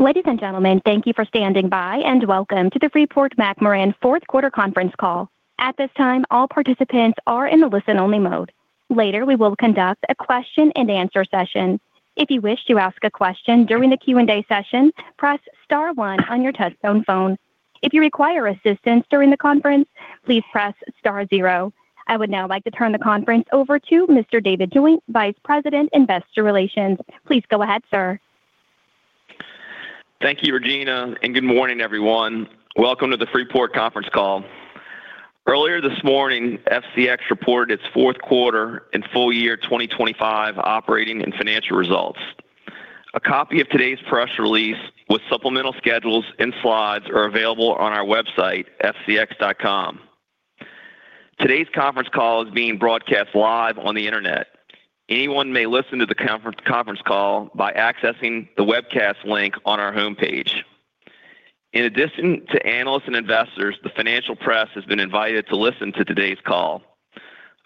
Ladies and gentlemen, thank you for standing by, and welcome to the Freeport-McMoRan fourth quarter conference call. At this time, all participants are in the listen-only mode. Later, we will conduct a question-and-answer session. If you wish to ask a question during the Q&A session, press star one on your touchtone phone. If you require assistance during the conference, please press star zero. I would now like to turn the conference over to Mr. David Joint, Vice President, Investor Relations. Please go ahead, sir. Thank you, Regina, and good morning, everyone. Welcome to the Freeport conference call. Earlier this morning, FCX reported its fourth quarter and full year 2025 operating and financial results. A copy of today's press release with supplemental schedules and slides is available on our website, fcx.com. Today's conference call is being broadcast live on the internet. Anyone may listen to the conference call by accessing the webcast link on our homepage. In addition to analysts and investors, the financial press has been invited to listen to today's call.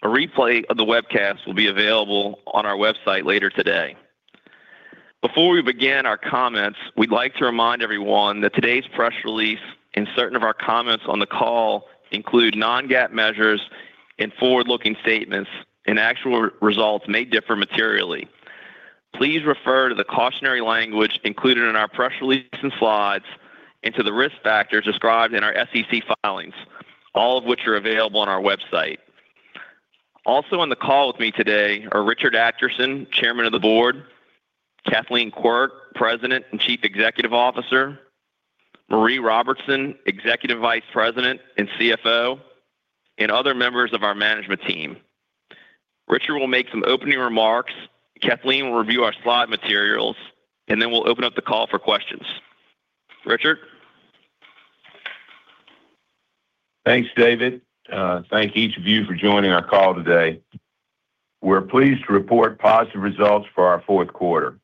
A replay of the webcast will be available on our website later today. Before we begin our comments, we'd like to remind everyone that today's press release and certain of our comments on the call include non-GAAP measures and forward-looking statements, and actual results may differ materially. Please refer to the cautionary language included in our press release and slides and to the risk factors described in our SEC filings, all of which are available on our website. Also on the call with me today are Richard Adkerson, Chairman of the Board, Kathleen Quirk, President and Chief Executive Officer, Mareé Robertson, Executive Vice President and CFO, and other members of our management team. Richard will make some opening remarks. Kathleen will review our slide materials, and then we'll open up the call for questions. Richard? Thanks, David. Thank each of you for joining our call today. We're pleased to report positive results for our fourth quarter.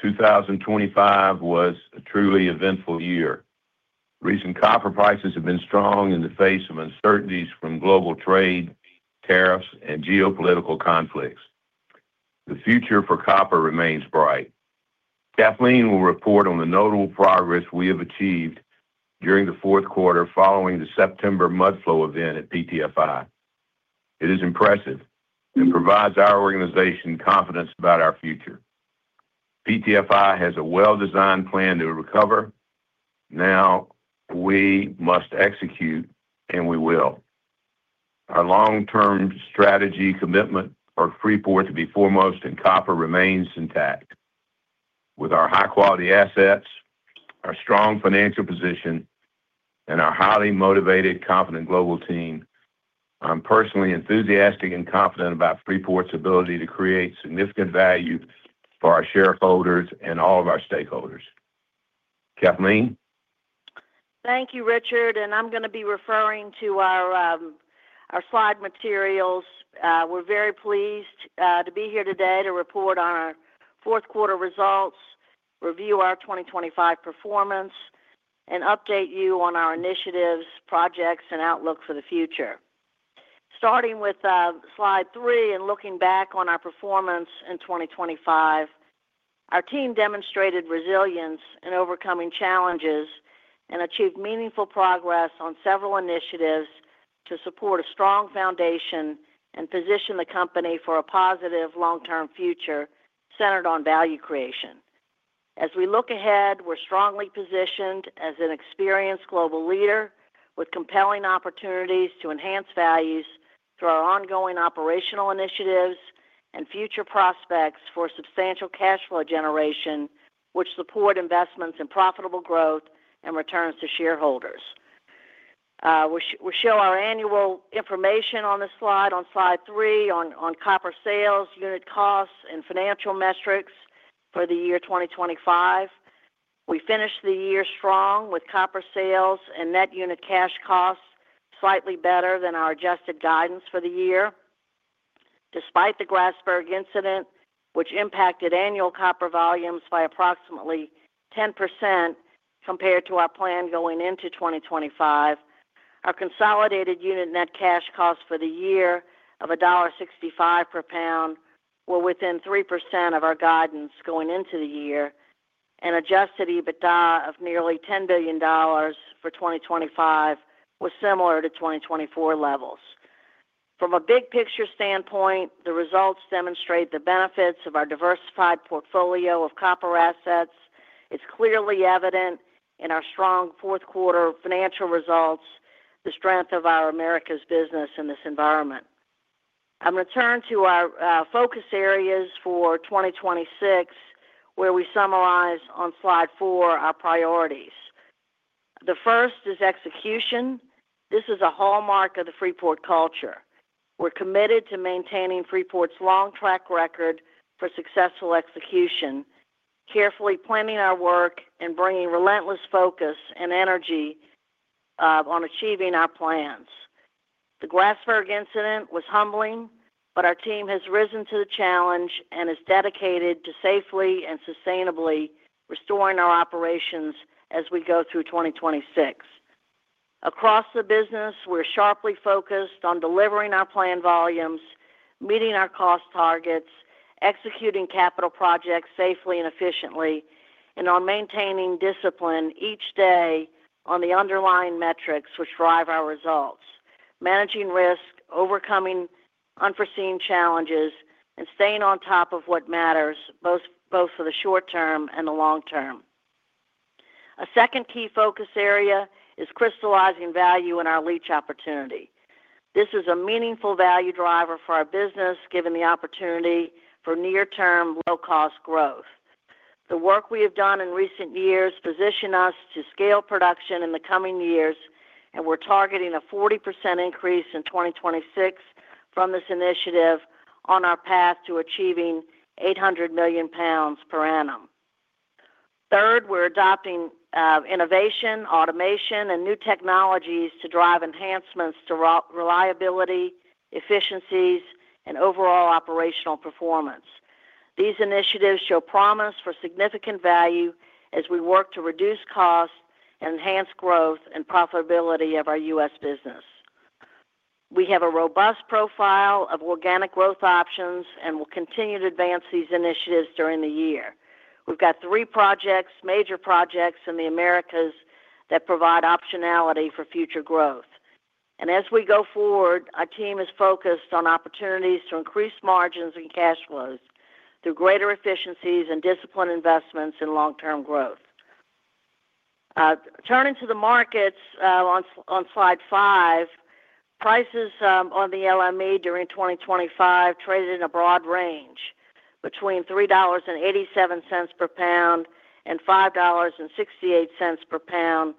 2025 was a truly eventful year. Recent copper prices have been strong in the face of uncertainties from global trade, tariffs, and geopolitical conflicts. The future for copper remains bright. Kathleen will report on the notable progress we have achieved during the fourth quarter following the September mudflow event at PTFI. It is impressive and provides our organization confidence about our future. PTFI has a well-designed plan to recover. Now we must execute, and we will. Our long-term strategy commitment for Freeport to be foremost in copper remains intact. With our high-quality assets, our strong financial position, and our highly motivated, confident global team, I'm personally enthusiastic and confident about Freeport's ability to create significant value for our shareholders and all of our stakeholders. Kathleen? Thank you, Richard. I'm going to be referring to our slide materials. We're very pleased to be here today to report on our fourth quarter results, review our 2025 performance, and update you on our initiatives, projects, and outlook for the future. Starting with slide three and looking back on our performance in 2025, our team demonstrated resilience in overcoming challenges and achieved meaningful progress on several initiatives to support a strong foundation and position the company for a positive long-term future centered on value creation. As we look ahead, we're strongly positioned as an experienced global leader with compelling opportunities to enhance values through our ongoing operational initiatives and future prospects for substantial cash flow generation, which support investments in profitable growth and returns to shareholders. We show our annual information on the slide on slide three on copper sales, unit costs, and financial metrics for the year 2025. We finished the year strong with copper sales and net unit cash costs slightly better than our adjusted guidance for the year. Despite the Grasberg incident, which impacted annual copper volumes by approximately 10% compared to our plan going into 2025, our consolidated unit net cash costs for the year of $1.65 per pound were within 3% of our guidance going into the year, and Adjusted EBITDA of nearly $10 billion for 2025 was similar to 2024 levels. From a big picture standpoint, the results demonstrate the benefits of our diversified portfolio of copper assets. It's clearly evident in our strong fourth quarter financial results, the strength of our Americas business in this environment. I'm going to turn to our focus areas for 2026, where we summarize on slide four our priorities. The first is execution. This is a hallmark of the Freeport culture. We're committed to maintaining Freeport's long track record for successful execution, carefully planning our work and bringing relentless focus and energy on achieving our plans. The Grasberg incident was humbling, but our team has risen to the challenge and is dedicated to safely and sustainably restoring our operations as we go through 2026. Across the business, we're sharply focused on delivering our planned volumes, meeting our cost targets, executing capital projects safely and efficiently, and on maintaining discipline each day on the underlying metrics which drive our results, managing risk, overcoming unforeseen challenges, and staying on top of what matters both for the short term and the long term. A second key focus area is crystallizing value in our leach opportunity. This is a meaningful value driver for our business, given the opportunity for near-term low-cost growth. The work we have done in recent years positioned us to scale production in the coming years, and we're targeting a 40% increase in 2026 from this initiative on our path to achieving 800 million pounds per annum. Third, we're adopting innovation, automation, and new technologies to drive enhancements to reliability, efficiencies, and overall operational performance. These initiatives show promise for significant value as we work to reduce costs and enhance growth and profitability of our US business. We have a robust profile of organic growth options and will continue to advance these initiatives during the year. We've got three projects, major projects in the Americas that provide optionality for future growth. As we go forward, our team is focused on opportunities to increase margins and cash flows through greater efficiencies and disciplined investments in long-term growth. Turning to the markets on slide five, prices on the LME during 2025 traded in a broad range between $3.87 per pound and $5.68 per pound,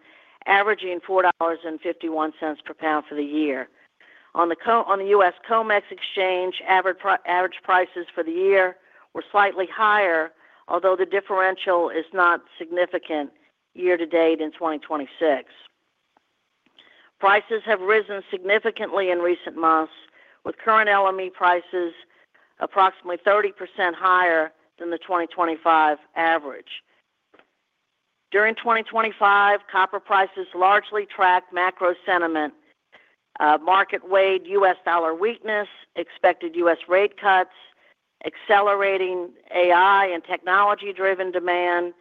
averaging $4.51 per pound for the year. On the US COMEX exchange, average prices for the year were slightly higher, although the differential is not significant year to date in 2026. Prices have risen significantly in recent months, with current LME prices approximately 30% higher than the 2025 average. During 2025, copper prices largely tracked macro sentiment, market-weighted US dollar weakness, expected US rate cuts, accelerating AI and technology-driven demand,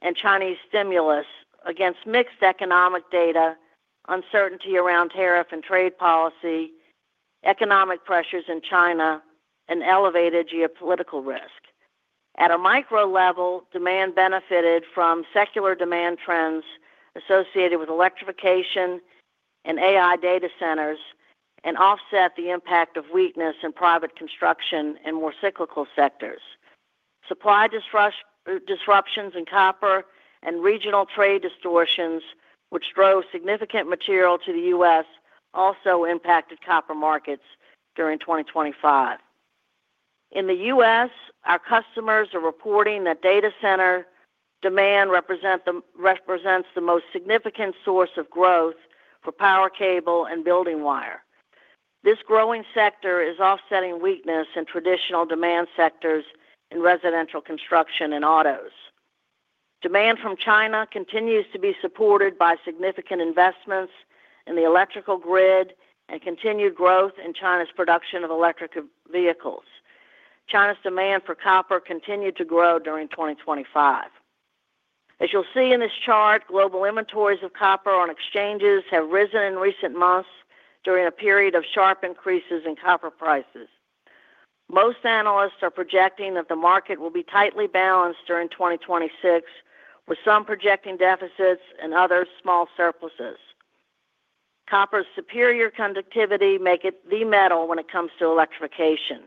and Chinese stimulus against mixed economic data, uncertainty around tariff and trade policy, economic pressures in China, and elevated geopolitical risk. At a micro level, demand benefited from secular demand trends associated with electrification and AI data centers and offset the impact of weakness in private construction and more cyclical sectors. Supply disruptions in copper and regional trade distortions, which drove significant material to the US, also impacted copper markets during 2025. In the US, our customers are reporting that data center demand represents the most significant source of growth for power cable and building wire. This growing sector is offsetting weakness in traditional demand sectors in residential construction and autos. Demand from China continues to be supported by significant investments in the electrical grid and continued growth in China's production of electric vehicles. China's demand for copper continued to grow during 2025. As you'll see in this chart, global inventories of copper on exchanges have risen in recent months during a period of sharp increases in copper prices. Most analysts are projecting that the market will be tightly balanced during 2026, with some projecting deficits and others small surpluses. Copper's superior conductivity makes it the metal when it comes to electrification.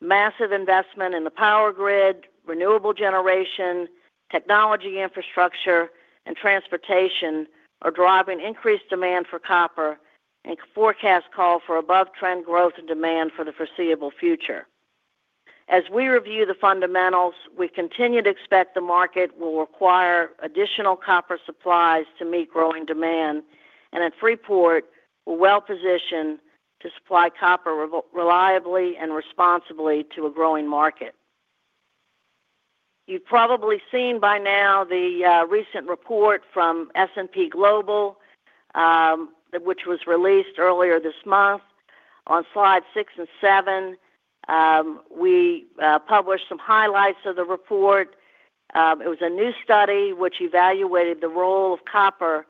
Massive investment in the power grid, renewable generation, technology infrastructure, and transportation are driving increased demand for copper and forecast call for above-trend growth and demand for the foreseeable future. As we review the fundamentals, we continue to expect the market will require additional copper supplies to meet growing demand, and at Freeport, we're well-positioned to supply copper reliably and responsibly to a growing market. You've probably seen by now the recent report from S&P Global, which was released earlier this month. On slide six and seven, we published some highlights of the report. It was a new study which evaluated the role of copper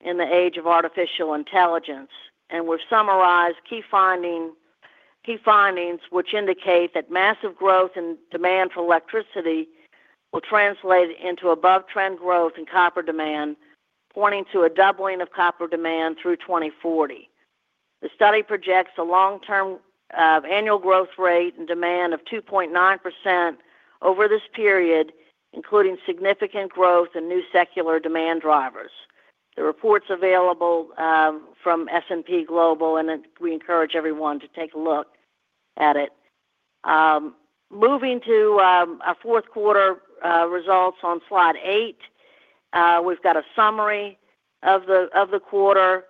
in the age of artificial intelligence. And we've summarized key findings which indicate that massive growth in demand for electricity will translate into above-trend growth in copper demand, pointing to a doubling of copper demand through 2040. The study projects a long-term annual growth rate and demand of 2.9% over this period, including significant growth in new secular demand drivers. The report's available from S&P Global, and we encourage everyone to take a look at it. Moving to our fourth quarter results on slide eight, we've got a summary of the quarter.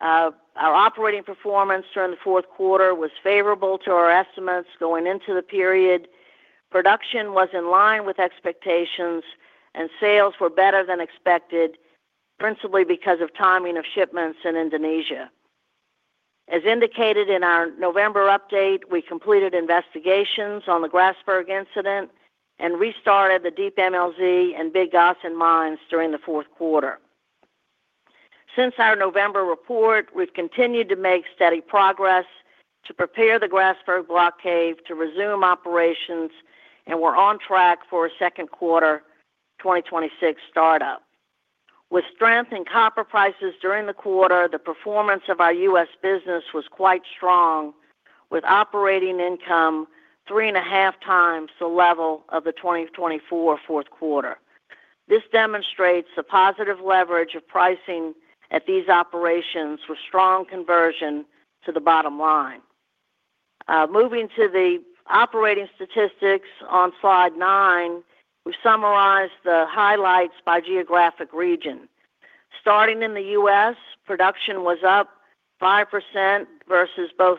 Our operating performance during the fourth quarter was favorable to our estimates going into the period. Production was in line with expectations, and sales were better than expected, principally because of timing of shipments in Indonesia. As indicated in our November update, we completed investigations on the Grasberg incident and restarted the Deep MLZ and Big Gossan mines during the fourth quarter. Since our November report, we've continued to make steady progress to prepare the Grasberg Block Cave to resume operations, and we're on track for a second quarter 2026 startup. With strength in copper prices during the quarter, the performance of our US business was quite strong, with operating income three and a half times the level of the 2024 fourth quarter. This demonstrates the positive leverage of pricing at these operations with strong conversion to the bottom line. Moving to the operating statistics on slide nine, we summarize the highlights by geographic region. Starting in the US, production was up 5% versus both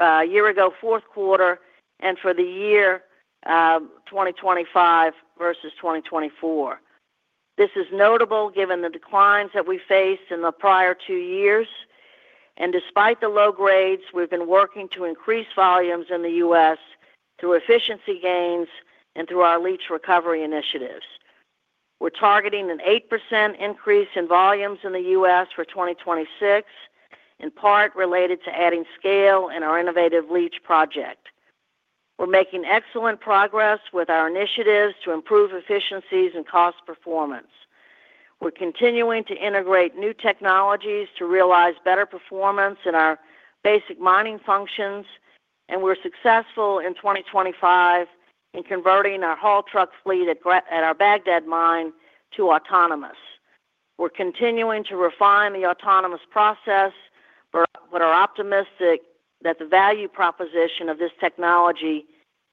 a year ago fourth quarter and for the year 2025 versus 2024. This is notable given the declines that we faced in the prior two years. And despite the low grades, we've been working to increase volumes in the US, through efficiency gains and through our leach recovery initiatives. We're targeting an 8% increase in volumes in the U.S. for 2026, in part related to adding scale in our innovative leach project. We're making excellent progress with our initiatives to improve efficiencies and cost performance. We're continuing to integrate new technologies to realize better performance in our basic mining functions, and we're successful in 2025 in converting our haul truck fleet at our Bagdad mine to autonomous. We're continuing to refine the autonomous process, but are optimistic that the value proposition of this technology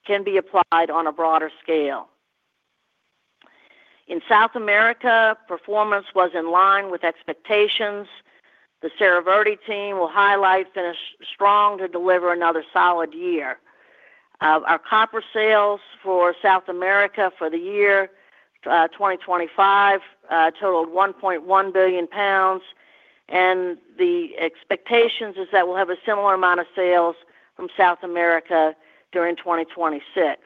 can be applied on a broader scale. In South America, performance was in line with expectations. The Cerro Verde team will highlight finished strong to deliver another solid year. Our copper sales for South America for the year 2025 totaled 1.1 billion pounds, and the expectation is that we'll have a similar amount of sales from South America during 2026.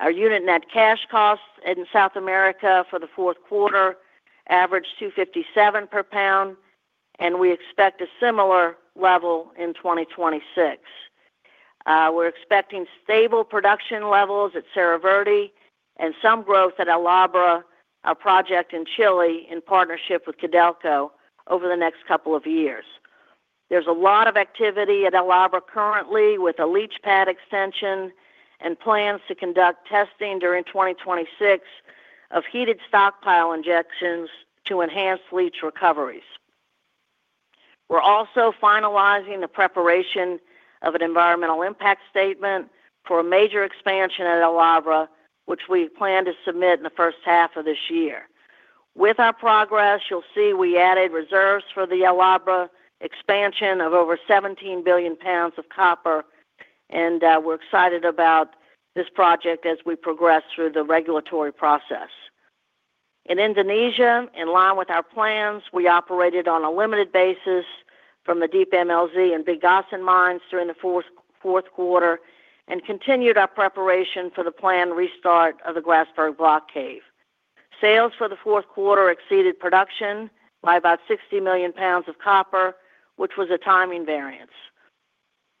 Our unit net cash costs in South America for the fourth quarter averaged $257 per pound, and we expect a similar level in 2026. We're expecting stable production levels at Cerro Verde and some growth at El Abra, our project in Chile in partnership with Codelco over the next couple of years. There's a lot of activity at El Abra currently with a leach pad extension and plans to conduct testing during 2026 of heated stockpile injections to enhance leach recoveries. We're also finalizing the preparation of an environmental impact statement for a major expansion at El Abra, which we plan to submit in the first half of this year. With our progress, you'll see we added reserves for the El Abra expansion of over 17 billion pounds of copper, and we're excited about this project as we progress through the regulatory process. In Indonesia, in line with our plans, we operated on a limited basis from the Deep MLZ and Big Gossan mines during the fourth quarter and continued our preparation for the planned restart of the Grasberg Block Cave. Sales for the fourth quarter exceeded production by about 60 million pounds of copper, which was a timing variance.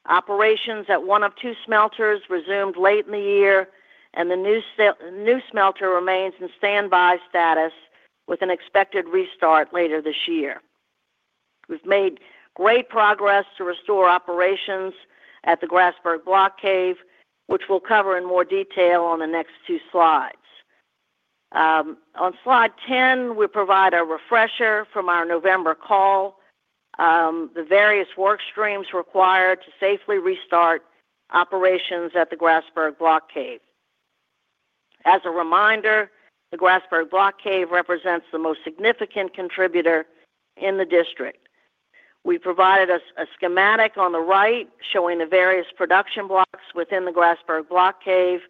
Operations at one of two smelters resumed late in the year, and the new smelter remains in standby status with an expected restart later this year. We've made great progress to restore operations at the Grasberg Block Cave, which we'll cover in more detail on the next two slides. On slide ten, we provide a refresher from our November call, the various work streams required to safely restart operations at the Grasberg block cave. As a reminder, the Grasberg block cave represents the most significant contributor in the district. We provided a schematic on the right showing the various production blocks within the Grasberg block cave,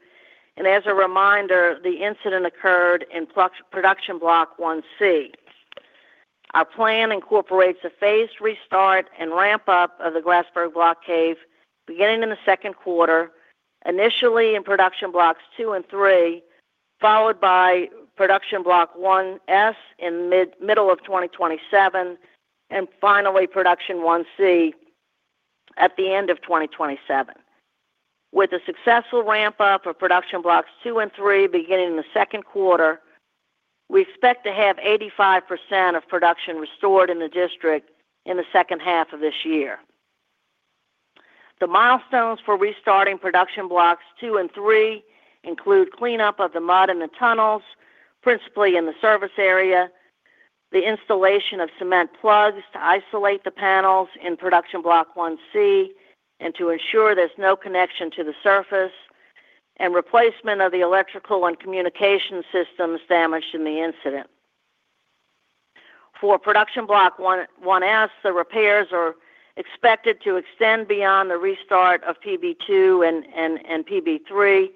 and as a reminder, the incident occurred in Production Block 1C. Our plan incorporates a phased restart and ramp-up of the Grasberg block cave beginning in the second quarter, initially in Production Blocks two and three, followed by Production Block 1S in the middle of 2027, and finally Production Block 1C at the end of 2027. With a successful ramp-up of Production Blocks two and three beginning in the second quarter, we expect to have 85% of production restored in the district in the second half of this year. The milestones for restarting Production Blocks two and three include cleanup of the mud in the tunnels, principally in the service area, the installation of cement plugs to isolate the panels in Production Block 1C and to ensure there's no connection to the surface, and replacement of the electrical and communication systems damaged in the incident. For Production Block 1S, the repairs are expected to extend beyond the restart of PB2 and PB3,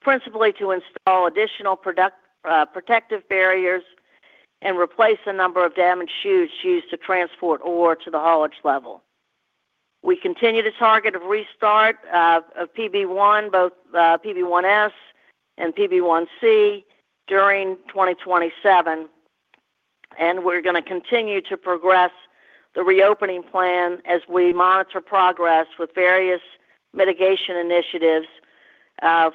principally to install additional protective barriers and replace a number of damaged chutes used to transport ore to the haulage level. We continue to target a restart of PB1, both PB1S and PB1C during 2027, and we're going to continue to progress the reopening plan as we monitor progress with various mitigation initiatives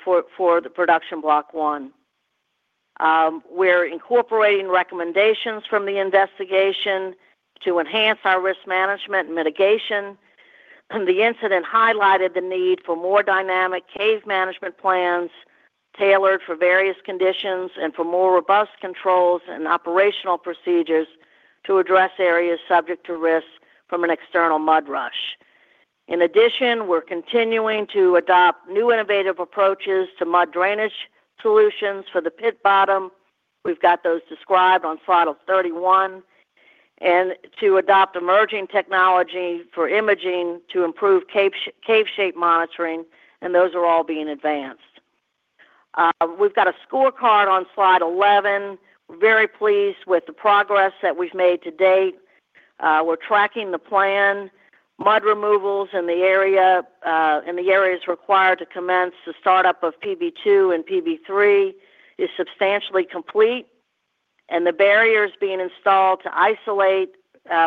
for Production Block one. We're incorporating recommendations from the investigation to enhance our risk management and mitigation. The incident highlighted the need for more dynamic cave management plans tailored for various conditions and for more robust controls and operational procedures to address areas subject to risk from an external mud rush. In addition, we're continuing to adopt new innovative approaches to mud drainage solutions for the pit bottom. We've got those described on slide 31, and to adopt emerging technology for imaging to improve cave shape monitoring, and those are all being advanced. We've got a scorecard on slide 11. We're very pleased with the progress that we've made to date. We're tracking the plan. Mud removals in the areas required to commence the startup of PB2 and PB3 is substantially complete, and the barriers being installed to isolate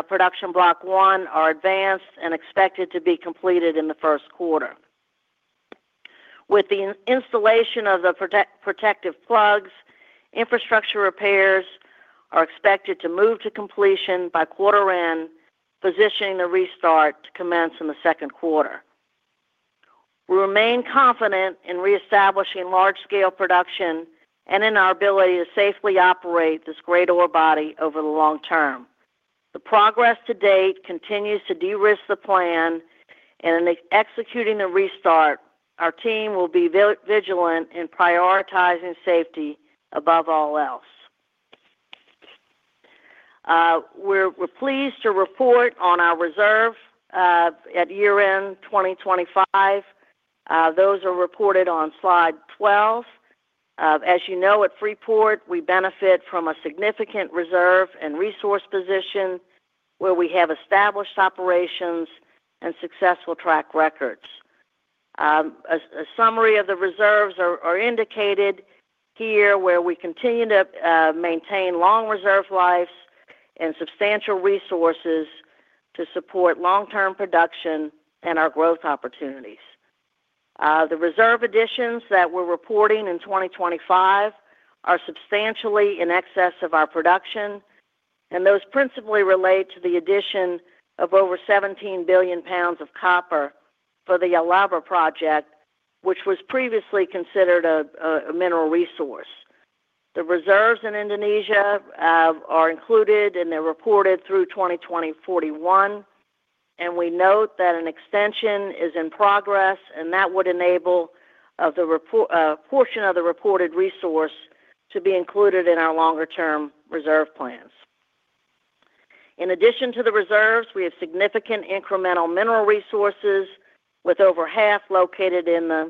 production block one are advanced and expected to be completed in the first quarter. With the installation of the protective plugs, infrastructure repairs are expected to move to completion by quarter end, positioning the restart to commence in the second quarter. We remain confident in reestablishing large-scale production and in our ability to safely operate this great ore body over the long term. The progress to date continues to de-risk the plan, and in executing the restart, our team will be vigilant in prioritizing safety above all else. We're pleased to report on our reserves at year-end 2025. Those are reported on slide 12. As you know, at Freeport, we benefit from a significant reserve and resource position where we have established operations and successful track records. A summary of the reserves is indicated here, where we continue to maintain long reserve lives and substantial resources to support long-term production and our growth opportunities. The reserve additions that we're reporting in 2025 are substantially in excess of our production, and those principally relate to the addition of over 17 billion pounds of copper for the El Abra project, which was previously considered a mineral resource. The reserves in Indonesia are included and they're reported through 2041, and we note that an extension is in progress, and that would enable a portion of the reported resource to be included in our longer-term reserve plans. In addition to the reserves, we have significant incremental mineral resources, with over half located in the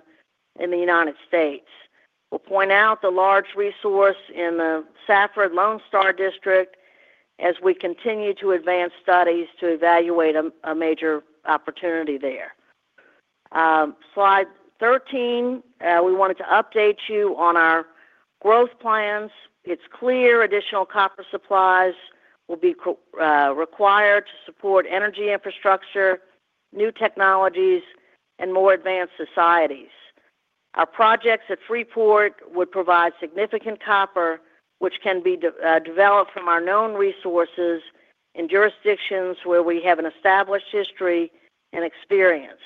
United States. We'll point out the large resource in the Safford-Lone Star District as we continue to advance studies to evaluate a major opportunity there. Slide 13, we wanted to update you on our growth plans. It's clear additional copper supplies will be required to support energy infrastructure, new technologies, and more advanced societies. Our projects at Freeport would provide significant copper, which can be developed from our known resources in jurisdictions where we have an established history and experience.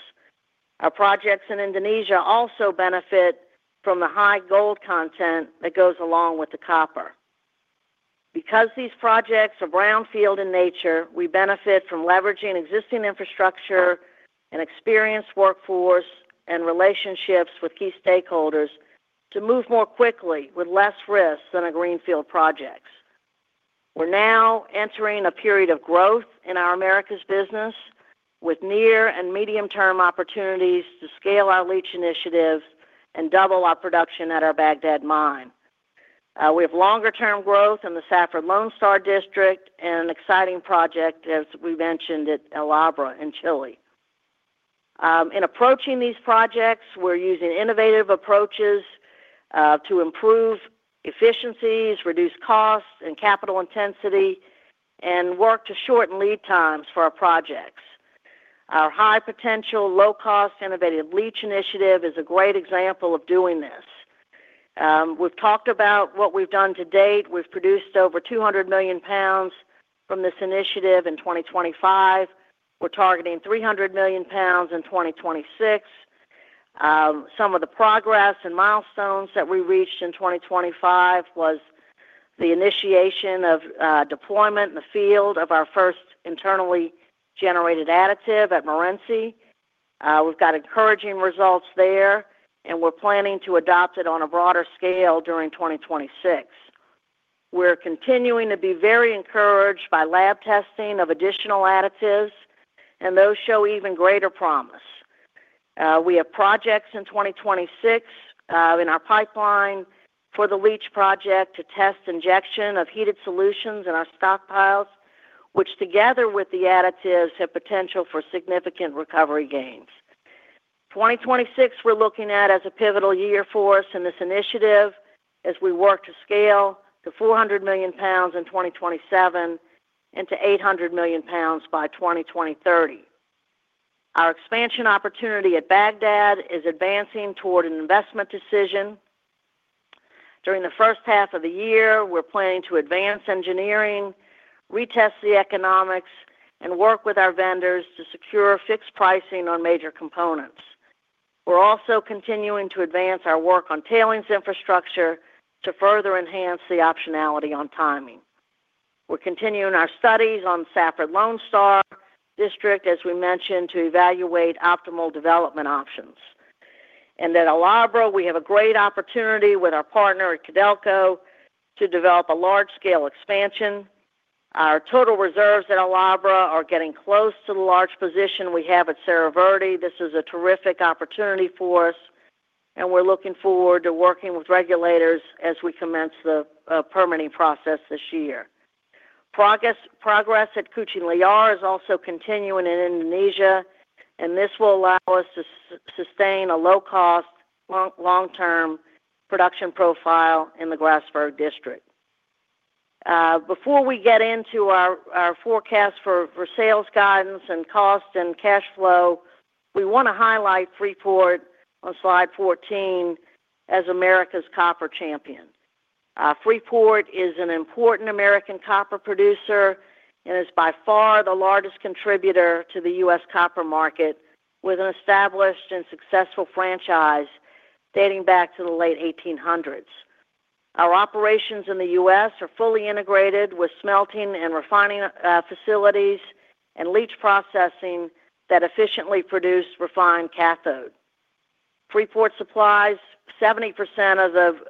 Our projects in Indonesia also benefit from the high gold content that goes along with the copper. Because these projects are brownfield in nature, we benefit from leveraging existing infrastructure and experienced workforce and relationships with key stakeholders to move more quickly with less risk than a greenfield project. We're now entering a period of growth in our America's business with near and medium-term opportunities to scale our leach initiatives and double our production at our Bagdad mine. We have longer-term growth in the Safford-Lone Star District and an exciting project, as we mentioned, at El Abra in Chile. In approaching these projects, we're using innovative approaches to improve efficiencies, reduce costs and capital intensity, and work to shorten lead times for our projects. Our high-potential, low-cost, innovative leach initiative is a great example of doing this. We've talked about what we've done to date. We've produced over 200 million pounds from this initiative in 2025. We're targeting 300 million pounds in 2026. Some of the progress and milestones that we reached in 2025 was the initiation of deployment in the field of our first internally generated additive at Morenci. We've got encouraging results there, and we're planning to adopt it on a broader scale during 2026. We're continuing to be very encouraged by lab testing of additional additives, and those show even greater promise. We have projects in 2026 in our pipeline for the leach project to test injection of heated solutions in our stockpiles, which together with the additives have potential for significant recovery gains. 2026 we're looking at as a pivotal year for us in this initiative as we work to scale to 400 million pounds in 2027 and to 800 million pounds by 2030. Our expansion opportunity at Bagdad is advancing toward an investment decision. During the first half of the year, we're planning to advance engineering, retest the economics, and work with our vendors to secure fixed pricing on major components. We're also continuing to advance our work on tailings infrastructure to further enhance the optionality on timing. We're continuing our studies on Safford-Lone Star District, as we mentioned, to evaluate optimal development options. And at El Abra, we have a great opportunity with our partner at Codelco to develop a large-scale expansion. Our total reserves at El Abra are getting close to the large position we have at Cerro Verde. This is a terrific opportunity for us, and we're looking forward to working with regulators as we commence the permitting process this year. Progress at Kucing Liar is also continuing in Indonesia, and this will allow us to sustain a low-cost, long-term production profile in the Grasberg District. Before we get into our forecast for sales guidance and cost and cash flow, we want to highlight Freeport on slide 14 as America's copper champion. Freeport is an important American copper producer and is by far the largest contributor to the US copper market, with an established and successful franchise dating back to the late 1800s. Our operations in the US are fully integrated with smelting and refining facilities and leach processing that efficiently produce refined cathode. Freeport supplies 70%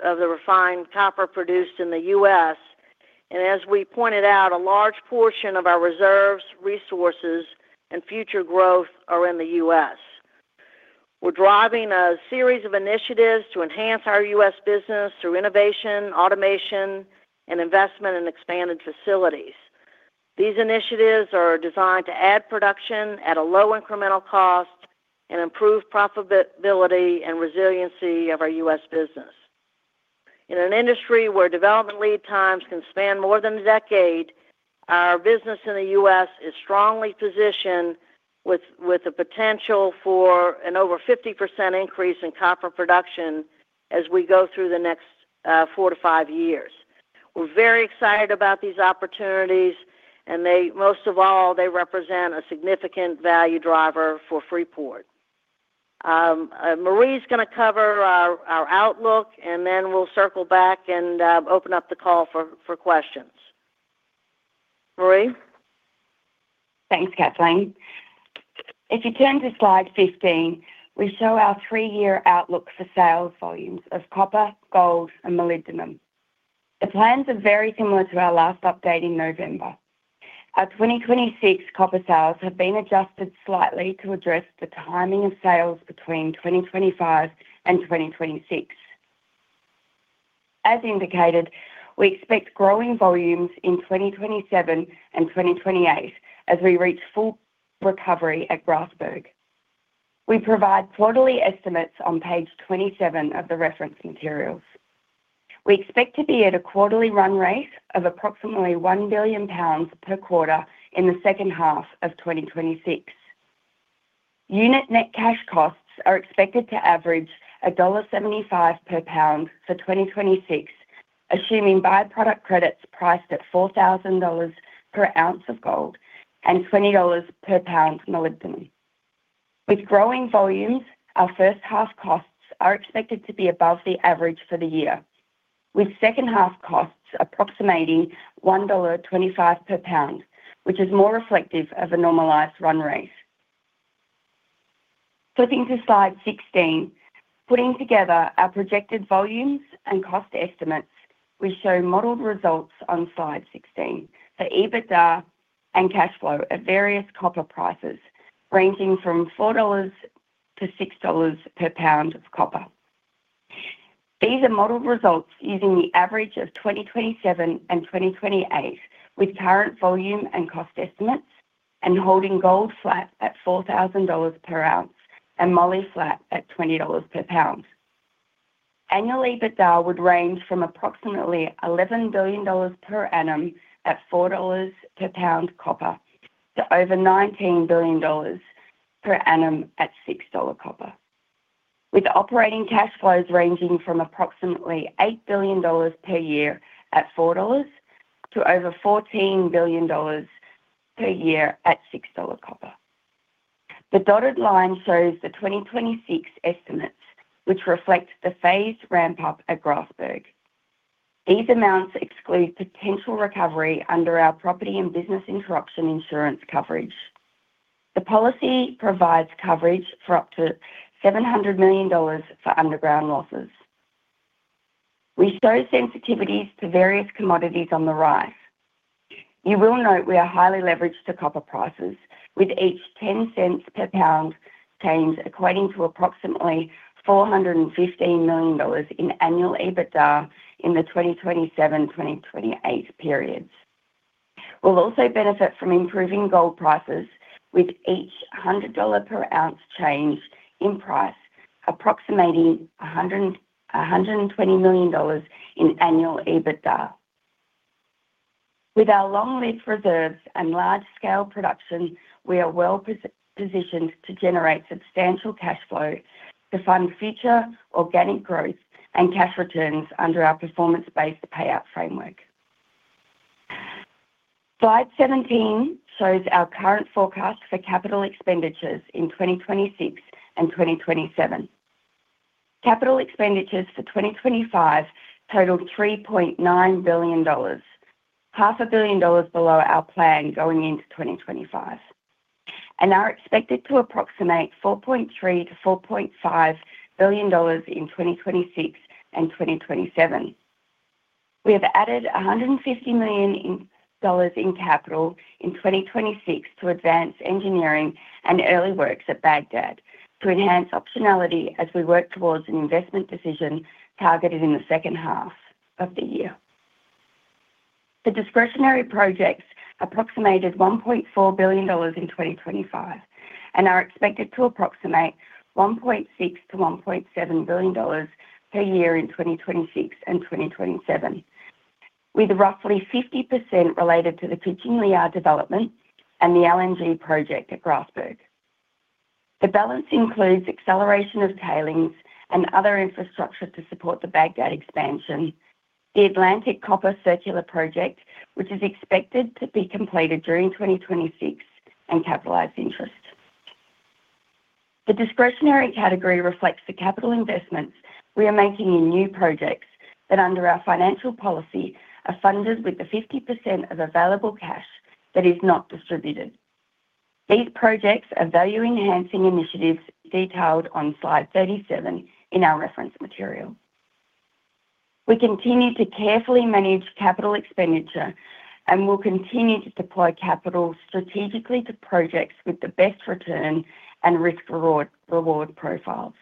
of the refined copper produced in the US, and as we pointed out, a large portion of our reserves, resources, and future growth are in the US We're driving a series of initiatives to enhance our U.S. business through innovation, automation, and investment in expanded facilities. These initiatives are designed to add production at a low incremental cost and improve profitability and resiliency of our US business. In an industry where development lead times can span more than a decade, our business in the US is strongly positioned with a potential for an over 50% increase in copper production as we go through the next four to five years. We're very excited about these opportunities, and most of all, they represent a significant value driver for Freeport. Mareé's going to cover our outlook, and then we'll circle back and open up the call for questions. Mareé? Thanks, Kathleen. If you turn to slide 15, we show our three-year outlook for sales volumes of copper, gold, and molybdenum. The plans are very similar to our last update in November. Our 2026 copper sales have been adjusted slightly to address the timing of sales between 2025 and 2026. As indicated, we expect growing volumes in 2027 and 2028 as we reach full recovery at Grasberg. We provide quarterly estimates on page 27 of the reference materials. We expect to be at a quarterly run rate of approximately 1 billion pound per quarter in the second half of 2026. Unit net cash costs are expected to average $1.75 per pound for 2026, assuming byproduct credits priced at $4,000 per ounce of gold and $20 per pound molybdenum. With growing volumes, our first half costs are expected to be above the average for the year, with second half costs approximating $1.25 per pound, which is more reflective of a normalized run rate. Flipping to slide 16, putting together our projected volumes and cost estimates, we show modeled results on slide 16 for EBITDA and cash flow at various copper prices ranging from $4-6 per pound of copper. These are modeled results using the average of 2027 and 2028 with current volume and cost estimates and holding gold flat at $4,000 per ounce and moly flat at $20 per pound. Annual EBITDA would range from approximately $11 billion per annum at $4 per pound copper to over $19 billion per annum at $6 copper, with operating cash flows ranging from approximately $8 billion per year at $4 to over $14 billion per year at $6 copper. The dotted line shows the 2026 estimates, which reflect the phased ramp-up at Grasberg. These amounts exclude potential recovery under our property and business interruption insurance coverage. The policy provides coverage for up to $700 million for underground losses. We show sensitivities to various commodities on the rise. You will note we are highly leveraged to copper prices, with each $0.10 per pound change equating to approximately $415 million in annual EBITDA in the 2027-2028 periods. We'll also benefit from improving gold prices, with each $100 per ounce change in price approximating $120 million in annual EBITDA. With our long-lived reserves and large-scale production, we are well-positioned to generate substantial cash flow to fund future organic growth and cash returns under our performance-based payout framework. Slide 17 shows our current forecast for capital expenditures in 2026 and 2027. Capital expenditures for 2025 total $3.9 billion, $500 million below our plan going into 2025, and are expected to approximate $4.3-4.5 billion in 2026 and 2027. We have added $150 million in capital in 2026 to advance engineering and early works at Bagdad to enhance optionality as we work towards an investment decision targeted in the second half of the year. The discretionary projects approximated $1.4 billion in 2025 and are expected to approximate $1.6-1.7 billion per year in 2026 and 2027, with roughly 50% related to the Kucing Liar development and the LNG project at Grasberg. The balance includes acceleration of tailings and other infrastructure to support the Bagdad expansion, the Atlantic Copper Circular Project, which is expected to be completed during 2026, and capitalized interest. The discretionary category reflects the capital investments we are making in new projects that, under our financial policy, are funded with the 50% of available cash that is not distributed. These projects are value-enhancing initiatives detailed on slide 37 in our reference material. We continue to carefully manage capital expenditure and will continue to deploy capital strategically to projects with the best return and risk-reward profiles.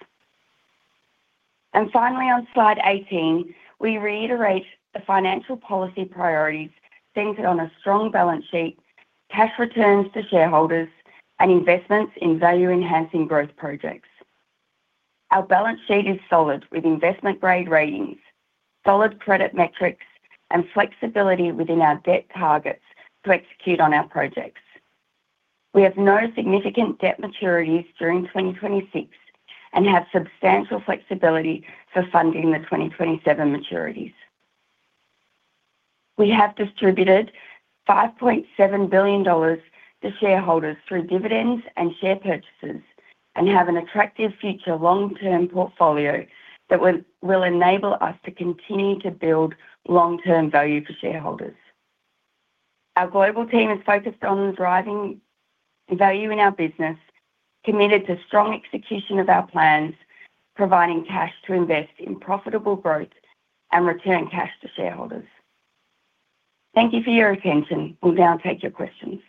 And finally, on slide 18, we reiterate the financial policy priorities centered on a strong balance sheet, cash returns to shareholders, and investments in value-enhancing growth projects. Our balance sheet is solid, with investment-grade ratings, solid credit metrics, and flexibility within our debt targets to execute on our projects. We have no significant debt maturities during 2026 and have substantial flexibility for funding the 2027 maturities. We have distributed $5.7 billion to shareholders through dividends and share purchases and have an attractive future long-term portfolio that will enable us to continue to build long-term value for shareholders. Our global team is focused on driving value in our business, committed to strong execution of our plans, providing cash to invest in profitable growth and return cash to shareholders. Thank you for your attention. We'll now take your questions.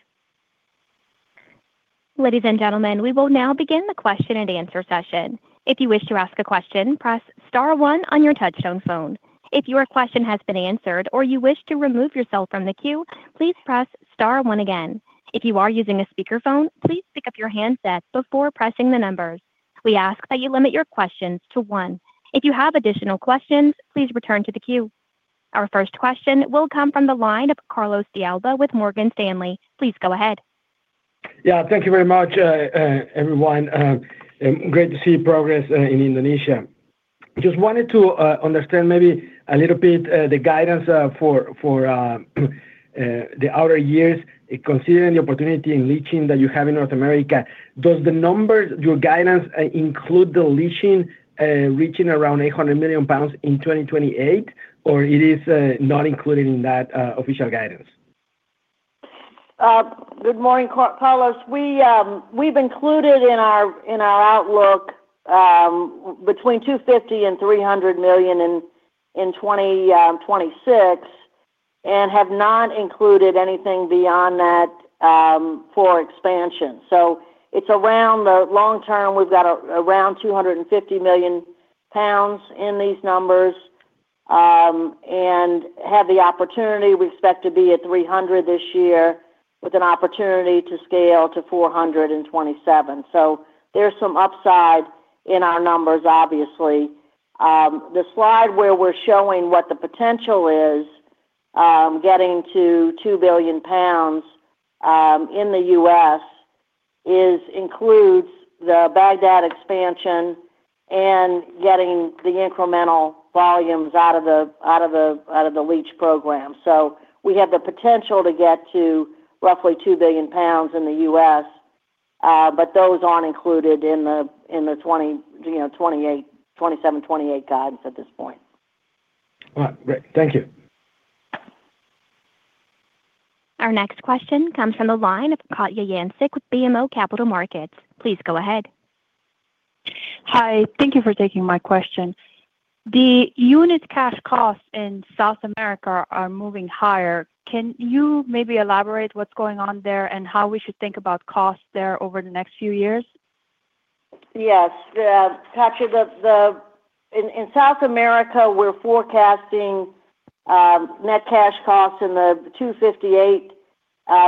Ladies and gentlemen, we will now begin the question and answer session. If you wish to ask a question, press star one on your touch-tone phone. If your question has been answered or you wish to remove yourself from the queue, please press star one again. If you are using a speakerphone, please pick up your handset before pressing the numbers. We ask that you limit your questions to one. If you have additional questions, please return to the queue. Our first question will come from the line of Carlos de Alba with Morgan Stanley. Please go ahead. Yeah, thank you very much, everyone. Great to see progress in Indonesia. Just wanted to understand maybe a little bit the guidance for the outer years, considering the opportunity in leaching that you have in North America. Does the number, your guidance, include the leaching reaching around 800 million pounds in 2028, or is it not included in that official guidance? Good morning, Carlos. We've included in our outlook between $250 and $300 million in 2026 and have not included anything beyond that for expansion. So it's around the long term. We've got around 250 million pounds in these numbers and have the opportunity. We expect to be at $300 this year with an opportunity to scale to $427. So there's some upside in our numbers, obviously. The slide where we're showing what the potential is, getting to 2 billion pounds in the US, includes the Bagdad expansion and getting the incremental volumes out of the leach program. So we have the potential to get to roughly 2 billion pounds in the US, but those aren't included in the 27-28 guidance at this point. All right. Great. Thank you. Our next question comes from the line of Katja Jancic with BMO Capital Markets. Please go ahead. Hi. Thank you for taking my question. The unit cash costs in South America are moving higher. Can you maybe elaborate what's going on there and how we should think about costs there over the next few years? Yes. In South America, we're forecasting net cash costs in the $258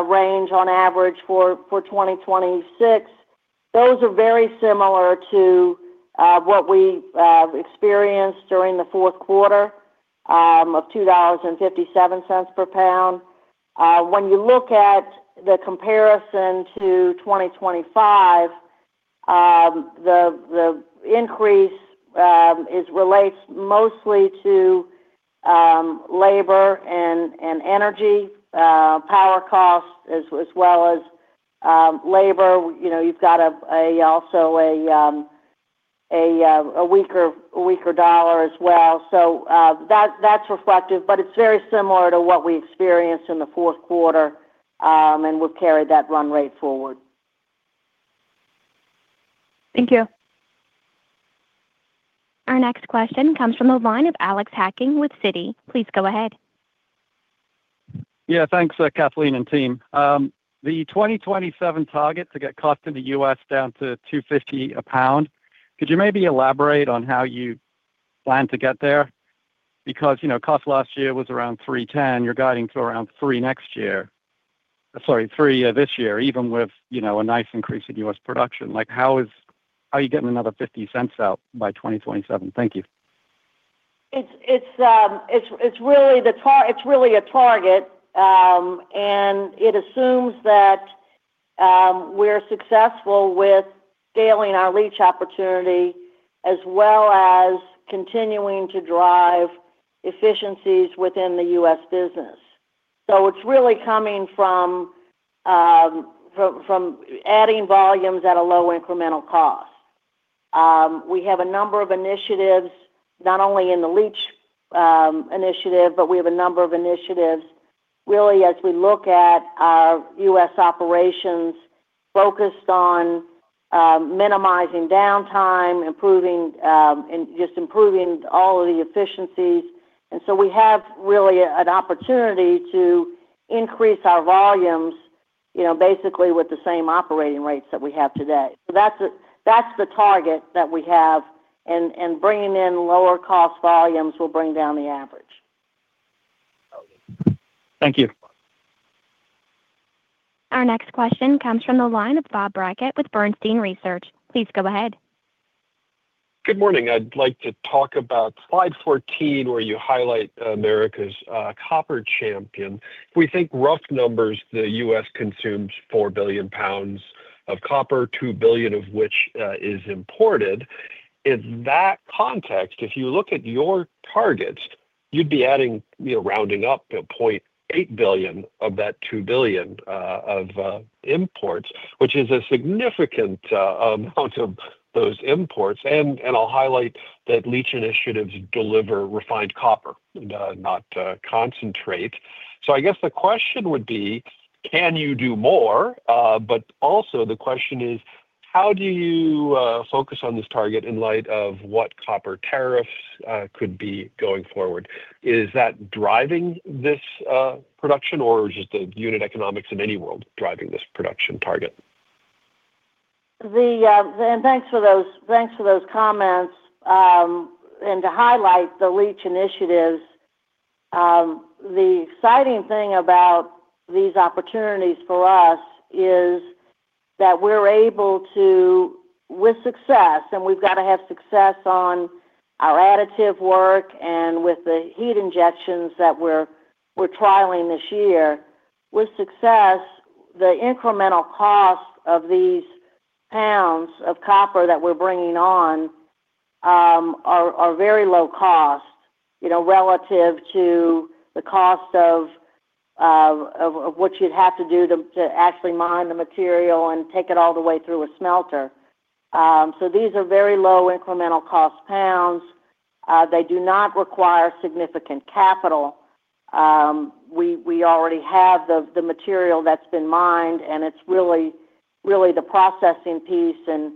range on average for 2026. Those are very similar to what we experienced during the fourth quarter of $2.57 per pound. When you look at the comparison to 2025, the increase relates mostly to labor and energy, power costs, as well as labor. You've got also a weaker dollar as well. So that's reflective, but it's very similar to what we experienced in the fourth quarter, and we've carried that run rate forward. Thank you. Our next question comes from the line of Alex Hacking with Citi. Please go ahead. Yeah, thanks, Kathleen and team. The 2027 target to get cost in the US down to $250 a pound, could you maybe elaborate on how you plan to get there? Because cost last year was around $3.10. You're guiding to around $3 next year. Sorry, $3 this year, even with a nice increase in US production. How are you getting another $0.50 out by 2027? Thank you. It's really a target, and it assumes that we're successful with scaling our leach opportunity as well as continuing to drive efficiencies within the US business. So it's really coming from adding volumes at a low incremental cost. We have a number of initiatives, not only in the leach initiative, but we have a number of initiatives, really, as we look at our US operations focused on minimizing downtime, just improving all of the efficiencies. And so we have really an opportunity to increase our volumes, basically with the same operating rates that we have today. So that's the target that we have, and bringing in lower-cost volumes will bring down the average. Thank you. Our next question comes from the line of Bob Brackett with Bernstein Research. Please go ahead. Good morning. I'd like to talk about slide 14, where you highlight America's copper champion. If we think rough numbers, the US consumes 4 billion pounds of copper, 2 billion of which is imported. In that context, if you look at your targets, you'd be adding, rounding up, to 0.8 billion of that 2 billion of imports, which is a significant amount of those imports. And I'll highlight that leach initiatives deliver refined copper, not concentrate. So I guess the question would be, can you do more? But also, the question is, how do you focus on this target in light of what copper tariffs could be going forward? Is that driving this production, or is it the unit economics in any world driving this production target? And thanks for those comments. To highlight the leach initiatives, the exciting thing about these opportunities for us is that we're able to, with success, and we've got to have success on our additive work and with the heat injections that we're trialing this year. With success, the incremental cost of these pounds of copper that we're bringing on are very low cost relative to the cost of what you'd have to do to actually mine the material and take it all the way through a smelter. These are very low incremental cost pounds. They do not require significant capital. We already have the material that's been mined, and it's really the processing piece, and